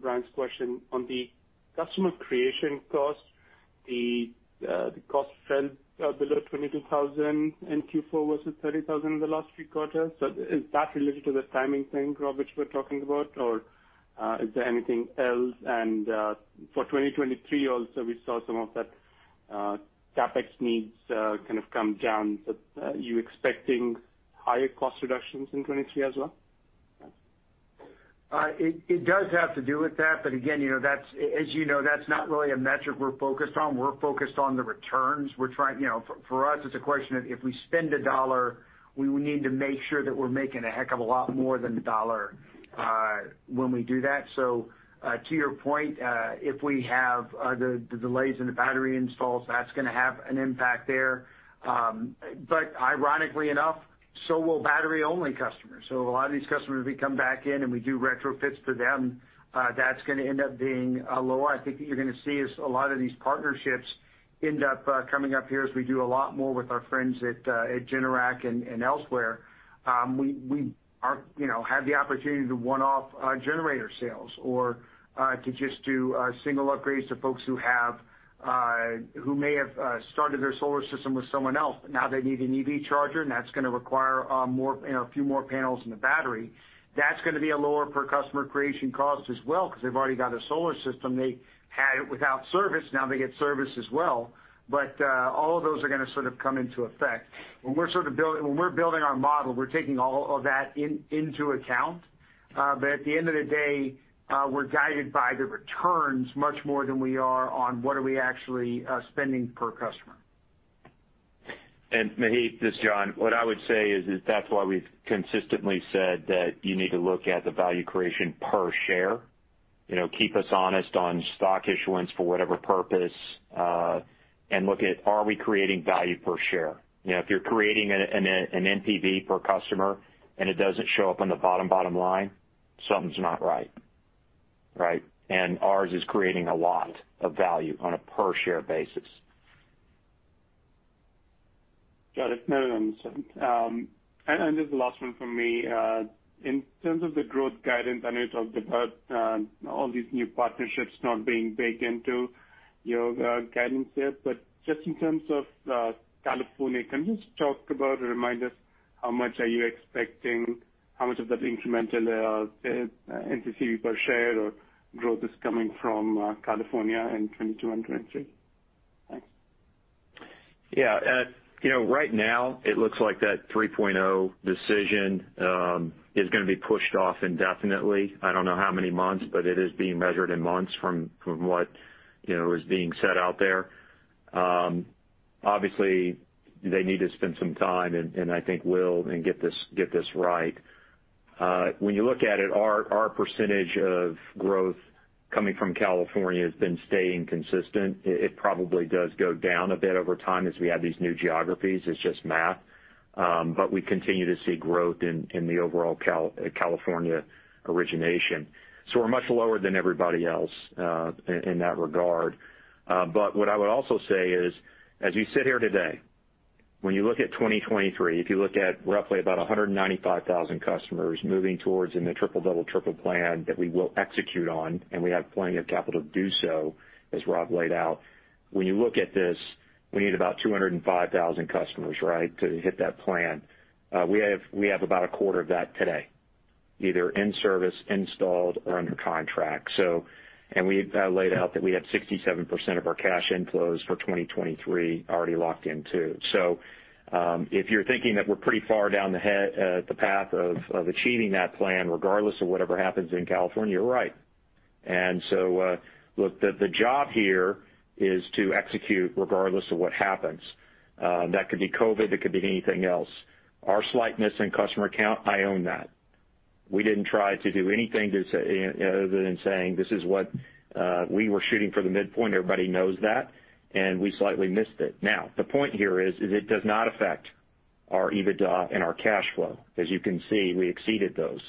Brian's question. On the customer creation cost, the cost fell below $22,000 in Q4 versus $30,000 in the last three quarters. Is that related to the timing thing, Rob, which we're talking about, or is there anything else? For 2023 also, we saw some of that CapEx needs kind of come down. Are you expecting higher cost reductions in 2023 as well? It does have to do with that. Again, you know, that's, as you know, that's not really a metric we're focused on. We're focused on the returns. We're trying. You know, for us, it's a question of if we spend a dollar, we would need to make sure that we're making a heck of a lot more than a dollar when we do that. To your point, if we have the delays in the battery installs, that's gonna have an impact there. Ironically enough, so will battery-only customers. A lot of these customers, we come back in and we do retrofits for them, that's gonna end up being a lower. I think what you're gonna see is a lot of these partnerships end up coming up here as we do a lot more with our friends at Generac and elsewhere. We, you know, have the opportunity to one-off generator sales or to just do single upgrades to folks who have who may have started their solar system with someone else, but now they need an EV charger, and that's gonna require more, you know, a few more panels in the battery. That's gonna be a lower per customer creation cost as well because they've already got a solar system. They had it without service, now they get service as well. All of those are gonna sort of come into effect. When we're building our model, we're taking all of that into account. At the end of the day, we're guided by the returns much more than we are on what we are actually spending per customer. Maheep, this is John. What I would say is that that's why we've consistently said that you need to look at the value creation per share. You know, keep us honest on stock issuance for whatever purpose, and look at are we creating value per share. You know, if you're creating an NPV per customer and it doesn't show up on the bottom line, something's not right? Ours is creating a lot of value on a per-share basis. Got it. No, that makes sense. This is the last one from me. In terms of the growth guidance, I know you talked about all these new partnerships not being baked into your guidance yet. Just in terms of California, can you just talk about or remind us how much are you expecting, how much of that incremental NCCV per share or growth is coming from California in 2021 and 2021? Thanks. Yeah. You know, right now it looks like that 3.0 decision is gonna be pushed off indefinitely. I don't know how many months, but it is being measured in months from what you know is being said out there. Obviously, they need to spend some time, and I think they will get this right. When you look at it, our percentage of growth coming from California has been staying consistent. It probably does go down a bit over time as we add these new geographies. It's just math. But we continue to see growth in the overall California origination. We're much lower than everybody else in that regard. What I would also say is as we sit here today. When you look at 2023, if you look at roughly about 195,000 customers moving towards in the triple-double triple plan that we will execute on, and we have plenty of capital to do so, as Rob laid out. When you look at this, we need about 205,000 customers, right, to hit that plan. We have about a quarter of that today, either in service, installed or under contract. We laid out that we had 67% of our cash inflows for 2023 already locked in too. If you're thinking that we're pretty far down the path of achieving that plan regardless of whatever happens in California, you're right. Look, the job here is to execute regardless of what happens. That could be COVID, it could be anything else. Our slight miss in customer count, I own that. We didn't try to do anything to say, other than saying this is what we were shooting for the midpoint, everybody knows that, and we slightly missed it. Now, the point here is it does not affect our EBITDA and our cash flow. As you can see, we exceeded those.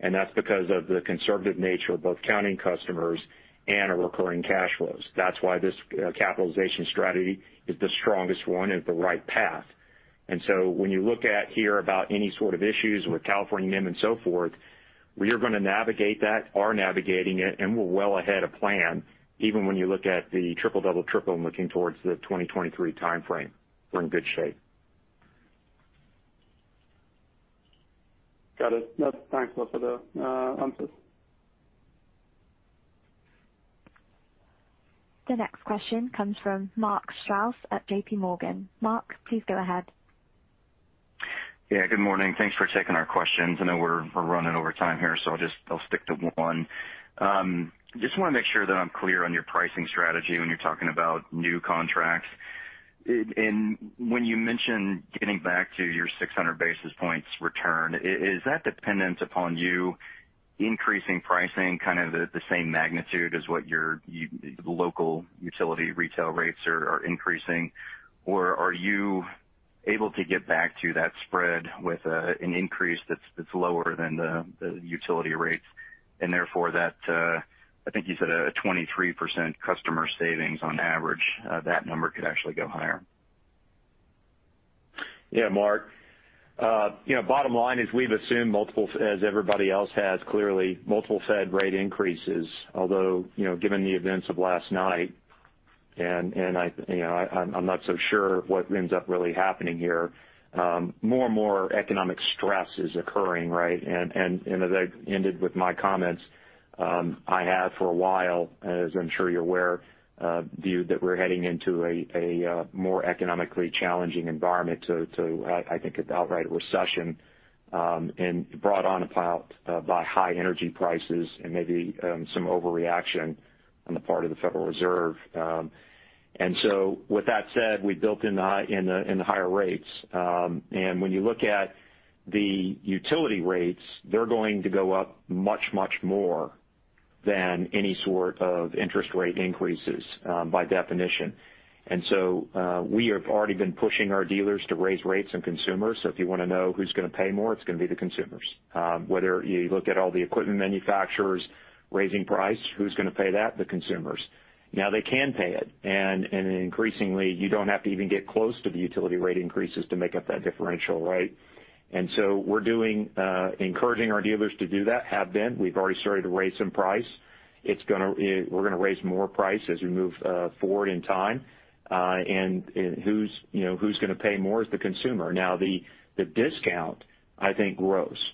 That's because of the conservative nature of both counting customers and our recurring cash flows. That's why this capitalization strategy is the strongest one and the right path. When you look at here about any sort of issues with California NEM and so forth, we are gonna navigate that, are navigating it, and we're well ahead of plan. Even when you look at the triple-double triple and looking towards the 2023 timeframe, we're in good shape. Got it. Yep. Thanks, look, for the answers. The next question comes from Mark Strouse at JPMorgan. Mark, please go ahead. Yeah, good morning. Thanks for taking our questions. I know we're running over time here, so I'll stick to one. Just wanna make sure that I'm clear on your pricing strategy when you're talking about new contracts. When you mention getting back to your 600 basis points return, is that dependent upon you increasing pricing kind of the same magnitude as what your local utility retail rates are increasing? Or are you able to get back to that spread with an increase that's lower than the utility rates and therefore that, I think you said a 23% customer savings on average, that number could actually go higher? Yeah, Mark. You know, bottom line is we've assumed multiple Fed, as everybody else has clearly, multiple Fed rate increases. Although, you know, given the events of last night, I, you know, I'm not so sure what ends up really happening here. More and more economic stress is occurring, right? As I ended with my comments, I have for a while, as I'm sure you're aware, viewed that we're heading into a more economically challenging environment. I think an outright recession, and brought about by high energy prices and maybe some overreaction on the part of the Federal Reserve. With that said, we built in the higher rates. When you look at the utility rates, they're going to go up much, much more than any sort of interest rate increases, by definition. We have already been pushing our dealers to raise rates on consumers. If you wanna know who's gonna pay more, it's gonna be the consumers. Whether you look at all the equipment manufacturers raising price, who's gonna pay that? The consumers. Now they can pay it, and increasingly, you don't have to even get close to the utility rate increases to make up that differential, right? We're encouraging our dealers to do that, have been. We've already started to raise some price. We're gonna raise more price as we move forward in time. You know, who's gonna pay more is the consumer. Now, the discount, I think, grows.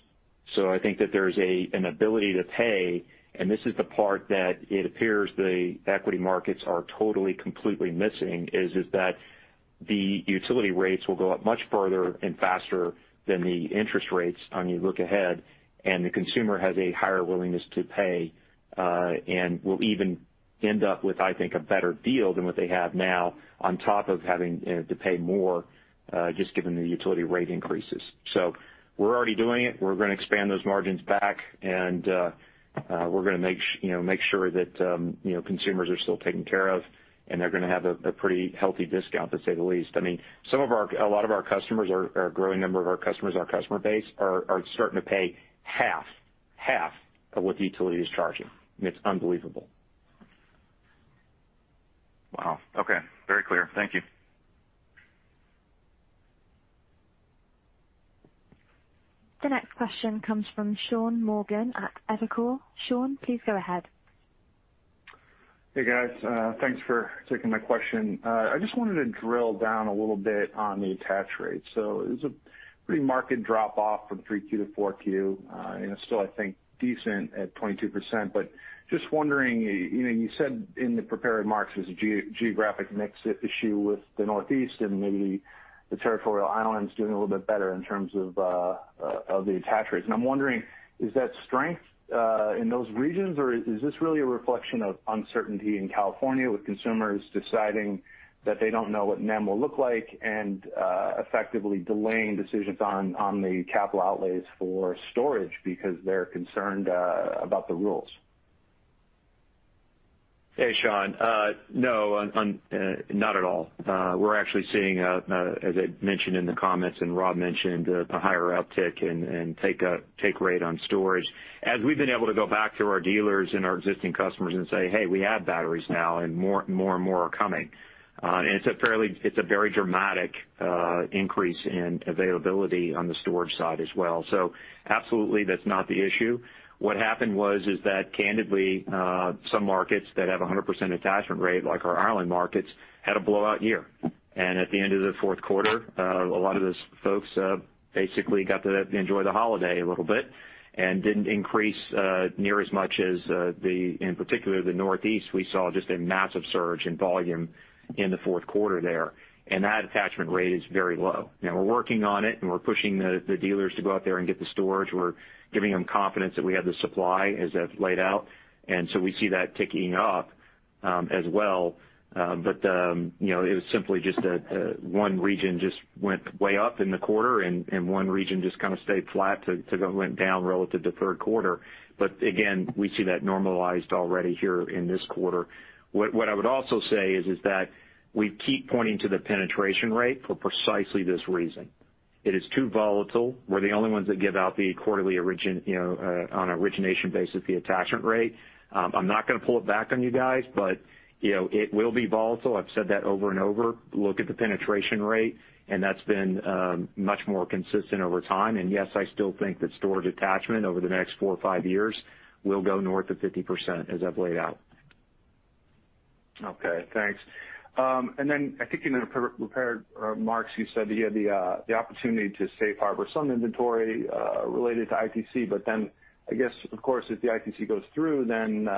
I think that there's an ability to pay, and this is the part that it appears the equity markets are totally, completely missing, is that the utility rates will go up much further and faster than the interest rates when you look ahead, and the consumer has a higher willingness to pay, and will even end up with, I think, a better deal than what they have now on top of having to pay more, just given the utility rate increases. We're already doing it. We're gonna expand those margins back and, we're gonna, you know, make sure that, you know, consumers are still taken care of and they're gonna have a pretty healthy discount to say the least. I mean, a lot of our customers or a growing number of our customers, our customer base are starting to pay half of what the utility is charging. I mean, it's unbelievable. Wow. Okay. Very clear. Thank you. The next question comes from Sean Morgan at Evercore. Sean, please go ahead. Hey, guys. Thanks for taking my question. I just wanted to drill down a little bit on the attach rate. It was a pretty marked drop off from 3Q to 4Q. It's still, I think, decent at 22%. Just wondering, you know, you said in the prepared remarks there's a geographic mix issue with the Northeast and maybe the Territorial Islands doing a little bit better in terms of the attach rates. I'm wondering, is that strength in those regions, or is this really a reflection of uncertainty in California with consumers deciding that they don't know what NEM will look like and effectively delaying decisions on the capital outlays for storage because they're concerned about the rules? Hey, Sean. No, not at all. We're actually seeing, as I mentioned in the comments and Rob mentioned, a higher uptick in take rate on storage. As we've been able to go back to our dealers and our existing customers and say, "Hey, we have batteries now, and more and more are coming." It's a very dramatic increase in availability on the storage side as well. So absolutely that's not the issue. What happened was that candidly, some markets that have a 100% attachment rate, like our island markets, had a blowout year. At the end of the fourth quarter, a lot of those folks basically got to enjoy the holiday a little bit and didn't increase near as much as, in particular the Northeast, we saw just a massive surge in volume in the fourth quarter there, and that attachment rate is very low. Now we're working on it, and we're pushing the dealers to go out there and get the storage. We're giving them confidence that we have the supply as I've laid out, and so we see that ticking up, as well. But, you know, it was simply just a one region just went way up in the quarter and one region just kind of stayed flat to went down relative to third quarter. But again, we see that normalized already here in this quarter. What I would also say is that we keep pointing to the penetration rate for precisely this reason. It is too volatile. We're the only ones that give out the quarterly origination, you know, on origination basis, the attachment rate. I'm not gonna pull it back on you guys, but, you know, it will be volatile. I've said that over and over. Look at the penetration rate, and that's been, much more consistent over time. Yes, I still think that storage attachment over the next four or five years will go north of 50%, as I've laid out. Okay. Thanks. And then I think in the pre-prepared remarks, you said that you had the opportunity to safe harbor some inventory related to ITC, but then I guess, of course, if the ITC goes through, then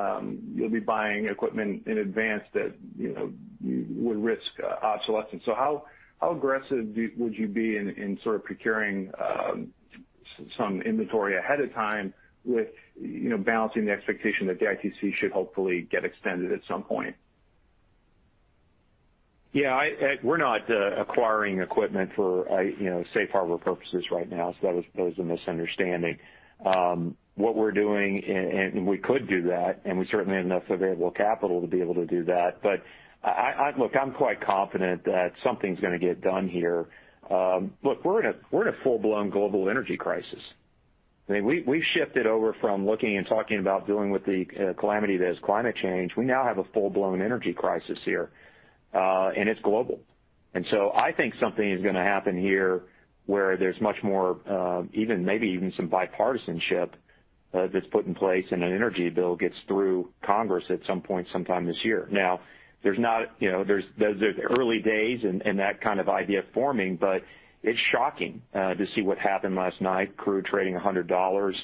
you'll be buying equipment in advance that, you know, you would risk obsolescence. How aggressive would you be in sort of procuring some inventory ahead of time with, you know, balancing the expectation that the ITC should hopefully get extended at some point? Yeah, we're not acquiring equipment for, you know, safe harbor purposes right now. That was a misunderstanding. What we're doing, we could do that, and we certainly have enough available capital to be able to do that. Look, I'm quite confident that something's gonna get done here. Look, we're in a full-blown global energy crisis. I mean, we've shifted over from looking and talking about dealing with the calamity that is climate change. We now have a full-blown energy crisis here, and it's global. I think something is gonna happen here where there's much more even, maybe even some bipartisanship that's put in place, and an energy bill gets through Congress at some point sometime this year. Now there's not, you know, the early days and that kind of idea forming, but it's shocking to see what happened last night, crude trading $100.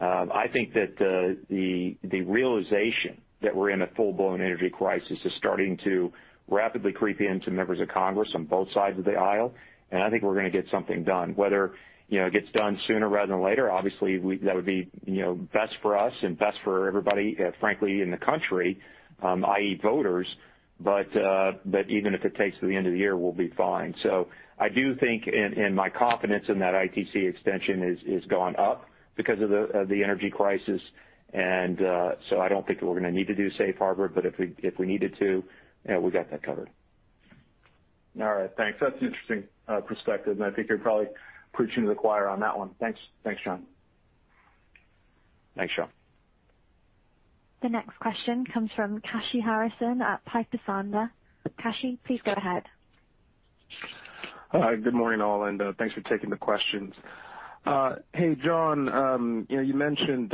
I think that the realization that we're in a full-blown energy crisis is starting to rapidly creep into members of Congress on both sides of the aisle, and I think we're gonna get something done. Whether, you know, it gets done sooner rather than later, that would be, you know, best for us and best for everybody, frankly, in the country, i.e. voters. Even if it takes to the end of the year, we'll be fine. I do think my confidence in that ITC extension is gone up because of the energy crisis. I don't think that we're gonna need to do safe harbor, but if we needed to, we got that covered. All right. Thanks. That's an interesting perspective, and I think you're probably preaching to the choir on that one. Thanks. Thanks, John. Thanks, Sean. The next question comes from Kashy Harrison at Piper Sandler. Kashy, please go ahead. Hi, good morning, all, and thanks for taking the questions. Hey, John, you know, you mentioned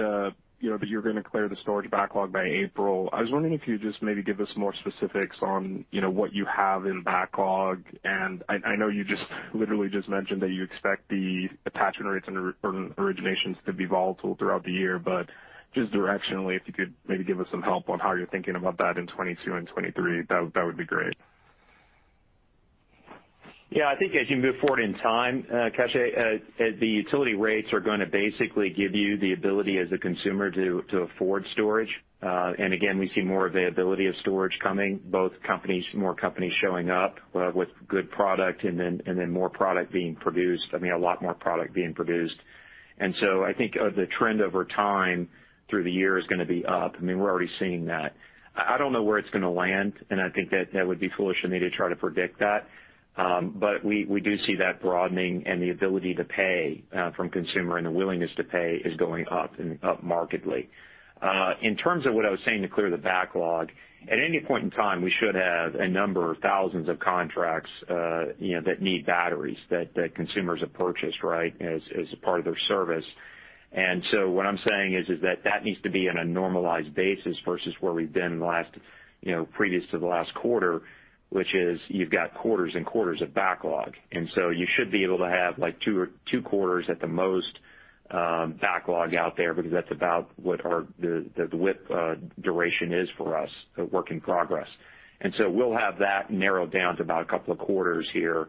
that you're gonna clear the storage backlog by April. I was wondering if you'd just maybe give us more specifics on what you have in backlog, and I know you just literally mentioned that you expect the attachment rates and originations to be volatile throughout the year. Just directionally, if you could maybe give us some help on how you're thinking about that in 2022 and 2023, that would be great. Yeah. I think as you move forward in time, Kashy, the utility rates are gonna basically give you the ability as a consumer to afford storage. Again, we see more availability of storage coming, both companies, more companies showing up, with good product and then more product being produced. I mean, a lot more product being produced. I think the trend over time through the year is gonna be up. I mean, we're already seeing that. I don't know where it's gonna land, and I think that would be foolish of me to try to predict that. We do see that broadening and the ability to pay from consumer and the willingness to pay is going up and up markedly. In terms of what I was saying to clear the backlog, at any point in time, we should have a number of thousands of contracts, you know, that need batteries that consumers have purchased, right? As a part of their service. What I'm saying is that needs to be on a normalized basis versus where we've been in the last, you know, previous to the last quarter, which is you've got quarters and quarters of backlog. You should be able to have, like, two quarters at the most, backlog out there because that's about what our WIP duration is for us, the work in progress. We'll have that narrowed down to about a couple of quarters here,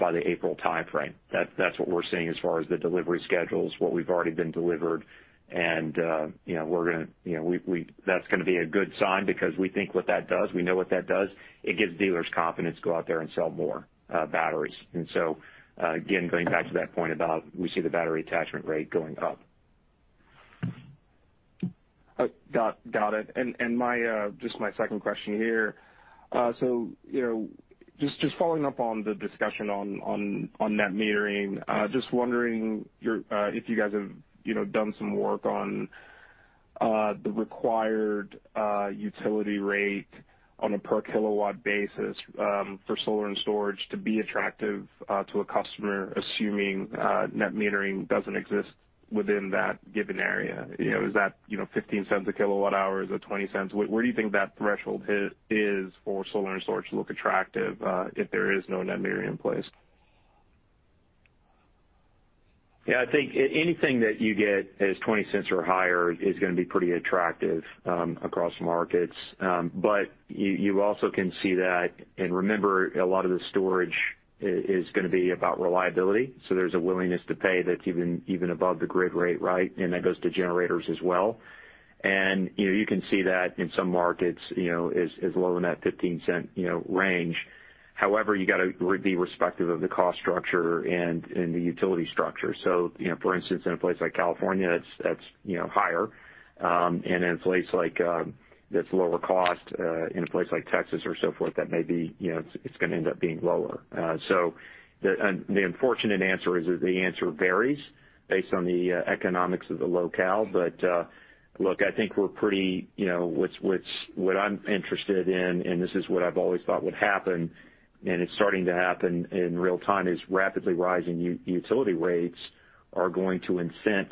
by the April timeframe. That's what we're seeing as far as the delivery schedules, what we've already been delivered. You know, we're gonna. You know, that's gonna be a good sign because we think what that does. We know what that does. It gives dealers confidence to go out there and sell more batteries. Again, going back to that point about we see the battery attachment rate going up. Got it. Just my second question here. You know, just following up on the discussion on net metering, just wondering if you guys have, you know, done some work on the required utility rate on a per kilowatt basis for solar and storage to be attractive to a customer, assuming net metering doesn't exist within that given area. You know, is that $0.15/kWh? Is it $0.20? Where do you think that threshold is for solar and storage to look attractive if there is no net metering in place? Yeah, I think anything that you get as $0.20 or higher is gonna be pretty attractive across markets. You also can see that, and remember a lot of the storage is gonna be about reliability, so there's a willingness to pay that's even above the grid rate, right? That goes to generators as well. You know, you can see that in some markets is lower than that $0.15 range. However, you gotta be respective of the cost structure and the utility structure. You know, for instance, in a place like California that's higher, and in a place like that's lower cost in a place like Texas or so forth, that may be it's gonna end up being lower. The unfortunate answer is that the answer varies based on the economics of the locale. Look, I think we're pretty, you know, what I'm interested in, and this is what I've always thought would happen, and it's starting to happen in real time, is rapidly rising utility rates are going to incent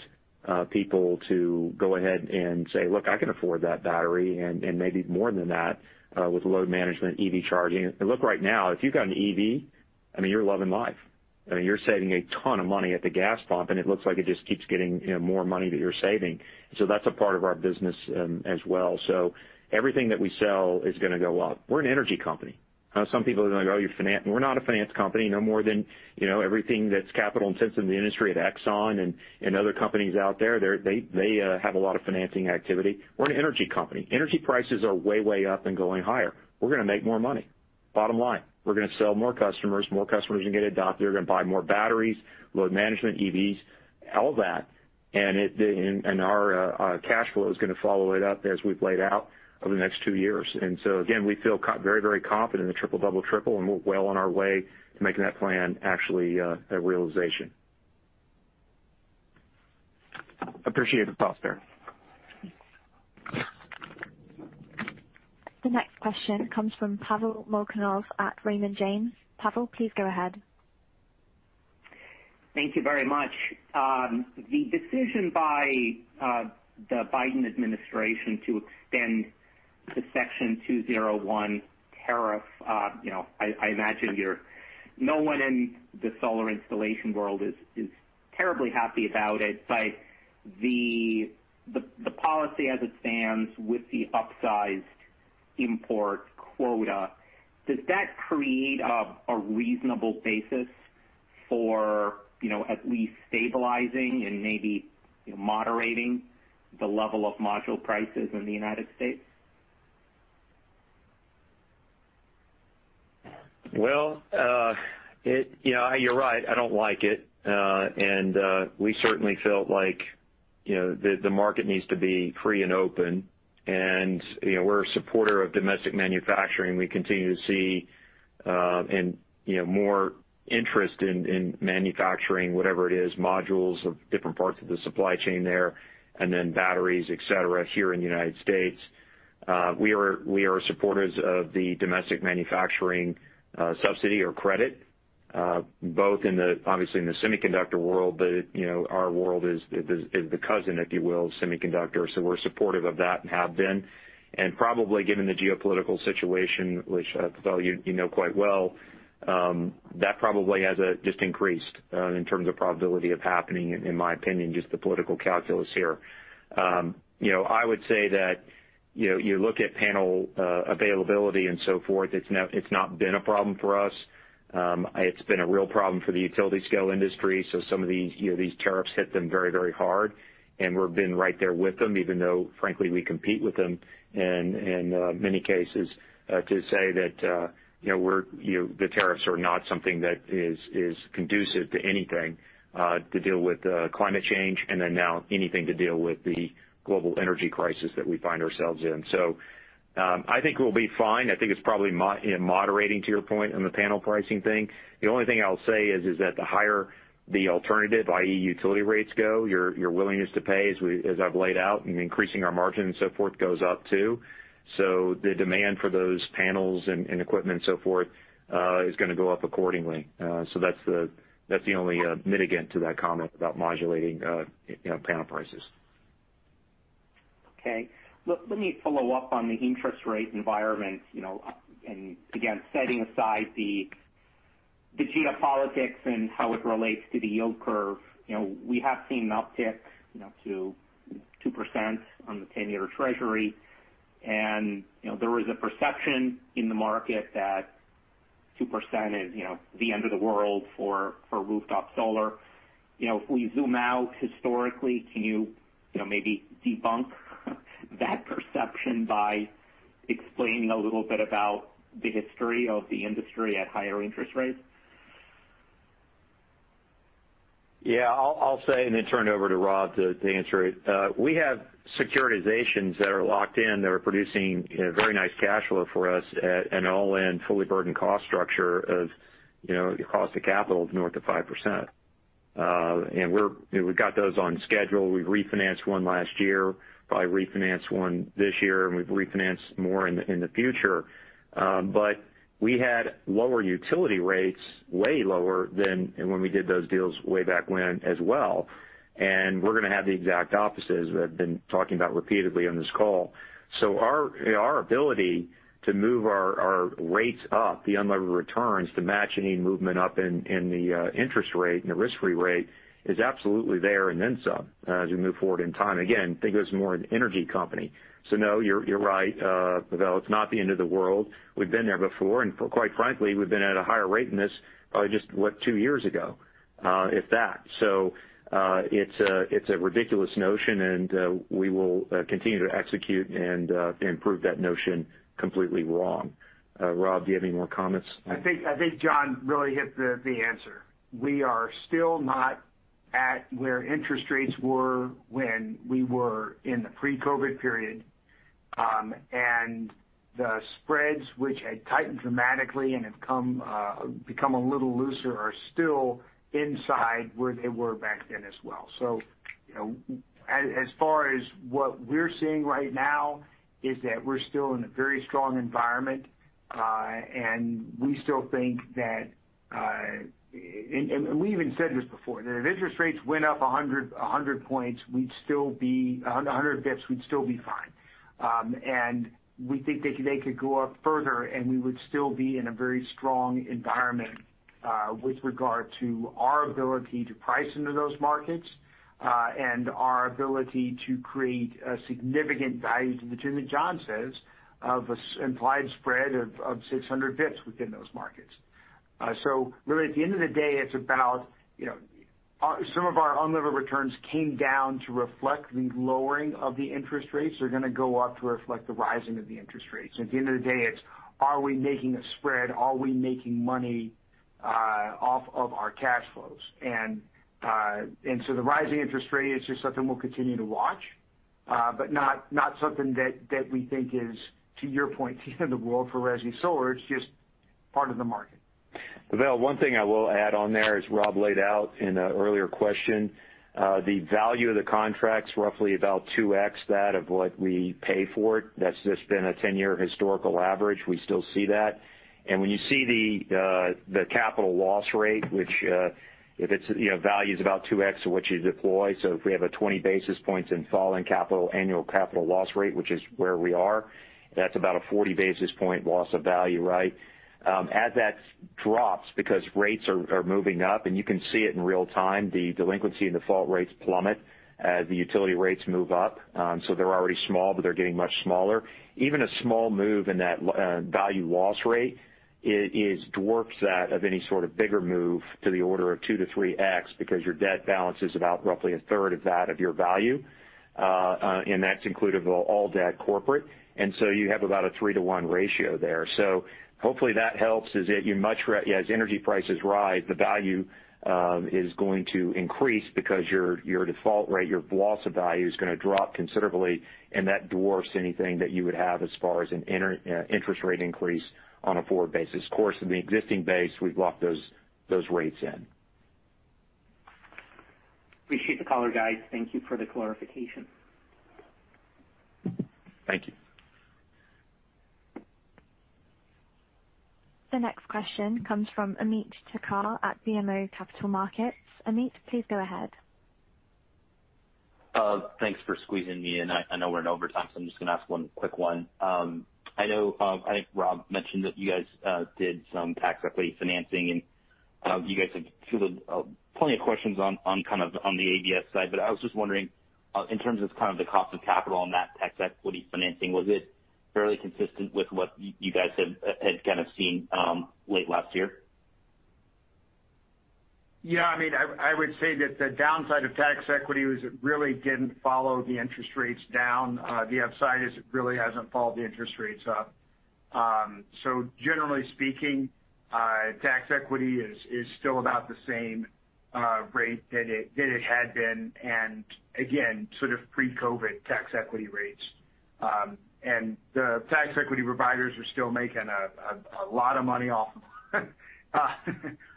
people to go ahead and say, "Look, I can afford that battery," and maybe more than that, with load management EV charging. Look, right now if you've got an EV, I mean, you're loving life. I mean, you're saving a ton of money at the gas pump, and it looks like it just keeps getting, you know, more money that you're saving. That's a part of our business, as well. Everything that we sell is gonna go up. We're an energy company. Some people are gonna go, "You're finance." We're not a finance company, no more than, you know, everything that's capital-intensive in -he industry at Exxon and other companies out there. They have a lot of financing activity. We're an energy company. Energy prices are way up and going higher. We're gonna make more money. Bottom line. We're gonna sell more customers. More customers are gonna adopt. They're gonna buy more batteries, load management, EVs, all that. And our cash flow is gonna follow it up as we've laid out over the next two years. Again, we feel very, very confident in the triple double triple, and we're well on our way to making that plan actually a realization. Appreciate the thoughts there. The next question comes from Pavel Molchanov at Raymond James. Pavel, please go ahead. Thank you very much. The decision by the Biden administration to extend the Section 201 tariff, you know, I imagine no one in the solar installation world is terribly happy about it. The policy as it stands with the upsized import quota, does that create a reasonable basis for, you know, at least stabilizing and maybe, you know, moderating the level of module prices in the United States? Well, you know, you're right. I don't like it. We certainly felt like, you know, the market needs to be free and open and, you know, we're a supporter of domestic manufacturing. We continue to see more interest in manufacturing, whatever it is, modules of different parts of the supply chain there, and then batteries, et cetera, here in the United States. We are supporters of the domestic manufacturing subsidy or credit, both in, obviously, in the semiconductor world, but it, you know, our world is the cousin, if you will, of semiconductors. So we're supportive of that and have been. Probably given the geopolitical situation, which, Pavel, you know quite well, that probably has just increased in terms of probability of happening, in my opinion, just the political calculus here. You know, I would say that, you know, you look at panel availability and so forth, it's not been a problem for us. It's been a real problem for the utility-scale industry, so some of these, you know, these tariffs hit them very, very hard and we've been right there with them even though frankly, we compete with them in many cases, to say that, you know, the tariffs are not something that is conducive to anything to deal with climate change and then now anything to deal with the global energy crisis that we find ourselves in. I think we'll be fine. I think it's probably moderating, you know, to your point on the panel pricing thing. The only thing I'll say is that the higher the alternative, i.e. utility rates go, your willingness to pay, as we, as I've laid out in increasing our margin and so forth, goes up too. The demand for those panels and equipment and so forth is gonna go up accordingly. That's the only mitigant to that comment about modulating, you know, panel prices. Okay. Let me follow up on the interest rate environment, you know, and again, setting aside the geopolitics and how it relates to the yield curve. You know, we have seen an uptick, you know, to 2% on the 10-year treasury and, you know, there was a perception in the market that 2% is, you know, the end of the world for rooftop solar. You know, if we zoom out historically, can you know, maybe debunk that perception by explaining a little bit about the history of the industry at higher interest rates? Yeah, I'll say and then turn it over to Rob to answer it. We have securitizations that are locked in that are producing a very nice cash flow for us at an all-in fully burdened cost structure of, you know, the cost of capital of north of 5%. We've got those on schedule. We've refinanced one last year, probably refinance one this year, and we've refinanced more in the future. But we had lower utility rates, way lower than when we did those deals way back when as well. We're gonna have the exact opposite as I've been talking about repeatedly on this call. Our ability to move our rates up, the unlevered returns to match any movement up in the interest rate and the risk-free rate is absolutely there and then some as we move forward in time. Again, think of us more as an energy company. No, you're right, Pavel. It's not the end of the world. We've been there before, and quite frankly, we've been at a higher rate than this probably just what, two years ago, if that. It's a ridiculous notion, and we will continue to execute and prove that notion completely wrong. Rob, do you have any more comments? I think John really hit the answer. We are still not at where interest rates were when we were in the pre-COVID period. The spreads which had tightened dramatically and have become a little looser are still inside where they were back then as well. You know, as far as what we're seeing right now is that we're still in a very strong environment, and we still think that we even said this before, that if interest rates went up 100 basis points, we'd still be fine. We think they could go up further, and we would still be in a very strong environment with regard to our ability to price into those markets and our ability to create a significant value to the tune that John says of an implied spread of 600 basis points within those markets. Really at the end of the day, it's about, you know, some of our unlevered returns came down to reflect the lowering of the interest rates. They're gonna go up to reflect the rising of the interest rates. At the end of the day, it's are we making a spread? Are we making money off of our cash flows? The rising interest rate is just something we'll continue to watch, but not something that we think is, to your point, the end of the world for resi solar. It's just part of the market. Pavel, one thing I will add on there, as Rob laid out in an earlier question, the value of the contract's roughly about 2x that of what we pay for it. That's just been a 10-year historical average. We still see that. When you see the capital loss rate, which if it's value's about 2x of what you deploy. So if we have a 20 basis points in falling capital, annual capital loss rate, which is where we are, that's about a 40 basis point loss of value, right? As that drops because rates are moving up, and you can see it in real time, the delinquency and default rates plummet as the utility rates move up. They're already small, but they're getting much smaller. Even a small move in that value loss rate dwarfs that of any sort of bigger move to the order of 2-3x because your debt balance is about roughly a third of that of your value, and that's inclusive of all debt corporate. You have about a 3-to-1 ratio there. Hopefully that helps. As energy prices rise, the value is going to increase because your default rate, your loss of value is gonna drop considerably, and that dwarfs anything that you would have as far as an interest rate increase on a forward basis. Of course, in the existing base, we've locked those rates in. Appreciate the color, guys. Thank you for the clarification. Thank you. The next question comes from Ameet Thakkar at BMO Capital Markets. Amit, please go ahead. Thanks for squeezing me in. I know we're in overtime, so I'm just gonna ask one quick one. I know I think Rob mentioned that you guys did some tax equity financing and you guys have fielded plenty of questions on kind of the ABS side. I was just wondering in terms of kind of the cost of capital on that tax equity financing, was it fairly consistent with what you guys had kind of seen late last year? Yeah, I mean, I would say that the downside of tax equity was it really didn't follow the interest rates down. The upside is it really hasn't followed the interest rates up. Generally speaking, tax equity is still about the same rate that it had been and again, sort of pre-COVID tax equity rates. The tax equity providers are still making a lot of money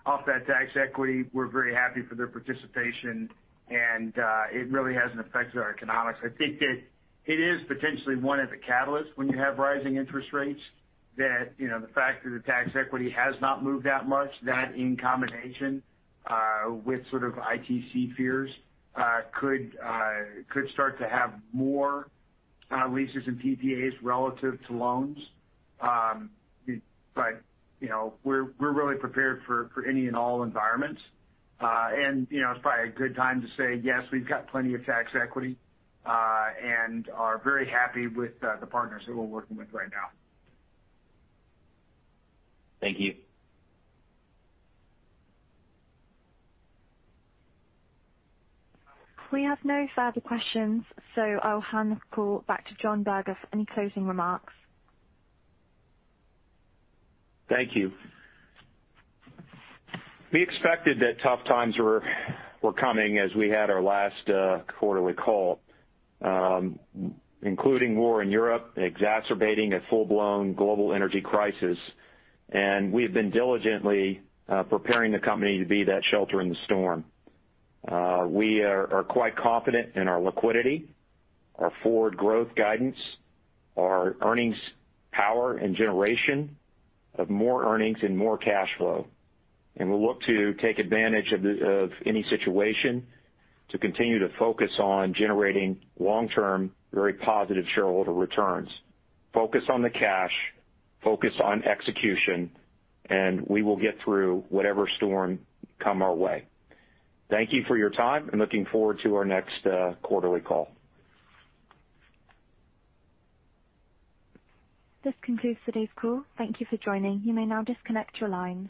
off that tax equity. We're very happy for their participation and it really hasn't affected our economics. I think that it is potentially one of the catalysts when you have rising interest rates that, you know, the fact that the tax equity has not moved that much, that in combination with sort of ITC fears could start to have more leases and PPAs relative to loans. You know, we're really prepared for any and all environments. You know, it's probably a good time to say, yes, we've got plenty of tax equity and are very happy with the partners that we're working with right now. Thank you. We have no further questions, so I'll hand this call back to John Berger for any closing remarks. Thank you. We expected that tough times were coming as we had our last quarterly call, including war in Europe, exacerbating a full-blown global energy crisis. We have been diligently preparing the company to be that shelter in the storm. We are quite confident in our liquidity, our forward growth guidance, our earnings power and generation of more earnings and more cash flow. We'll look to take advantage of any situation to continue to focus on generating long-term, very positive shareholder returns. Focus on the cash, focus on execution, and we will get through whatever storm come our way. Thank you for your time and looking forward to our next quarterly call. This concludes today's call. Thank you for joining. You may now disconnect your lines.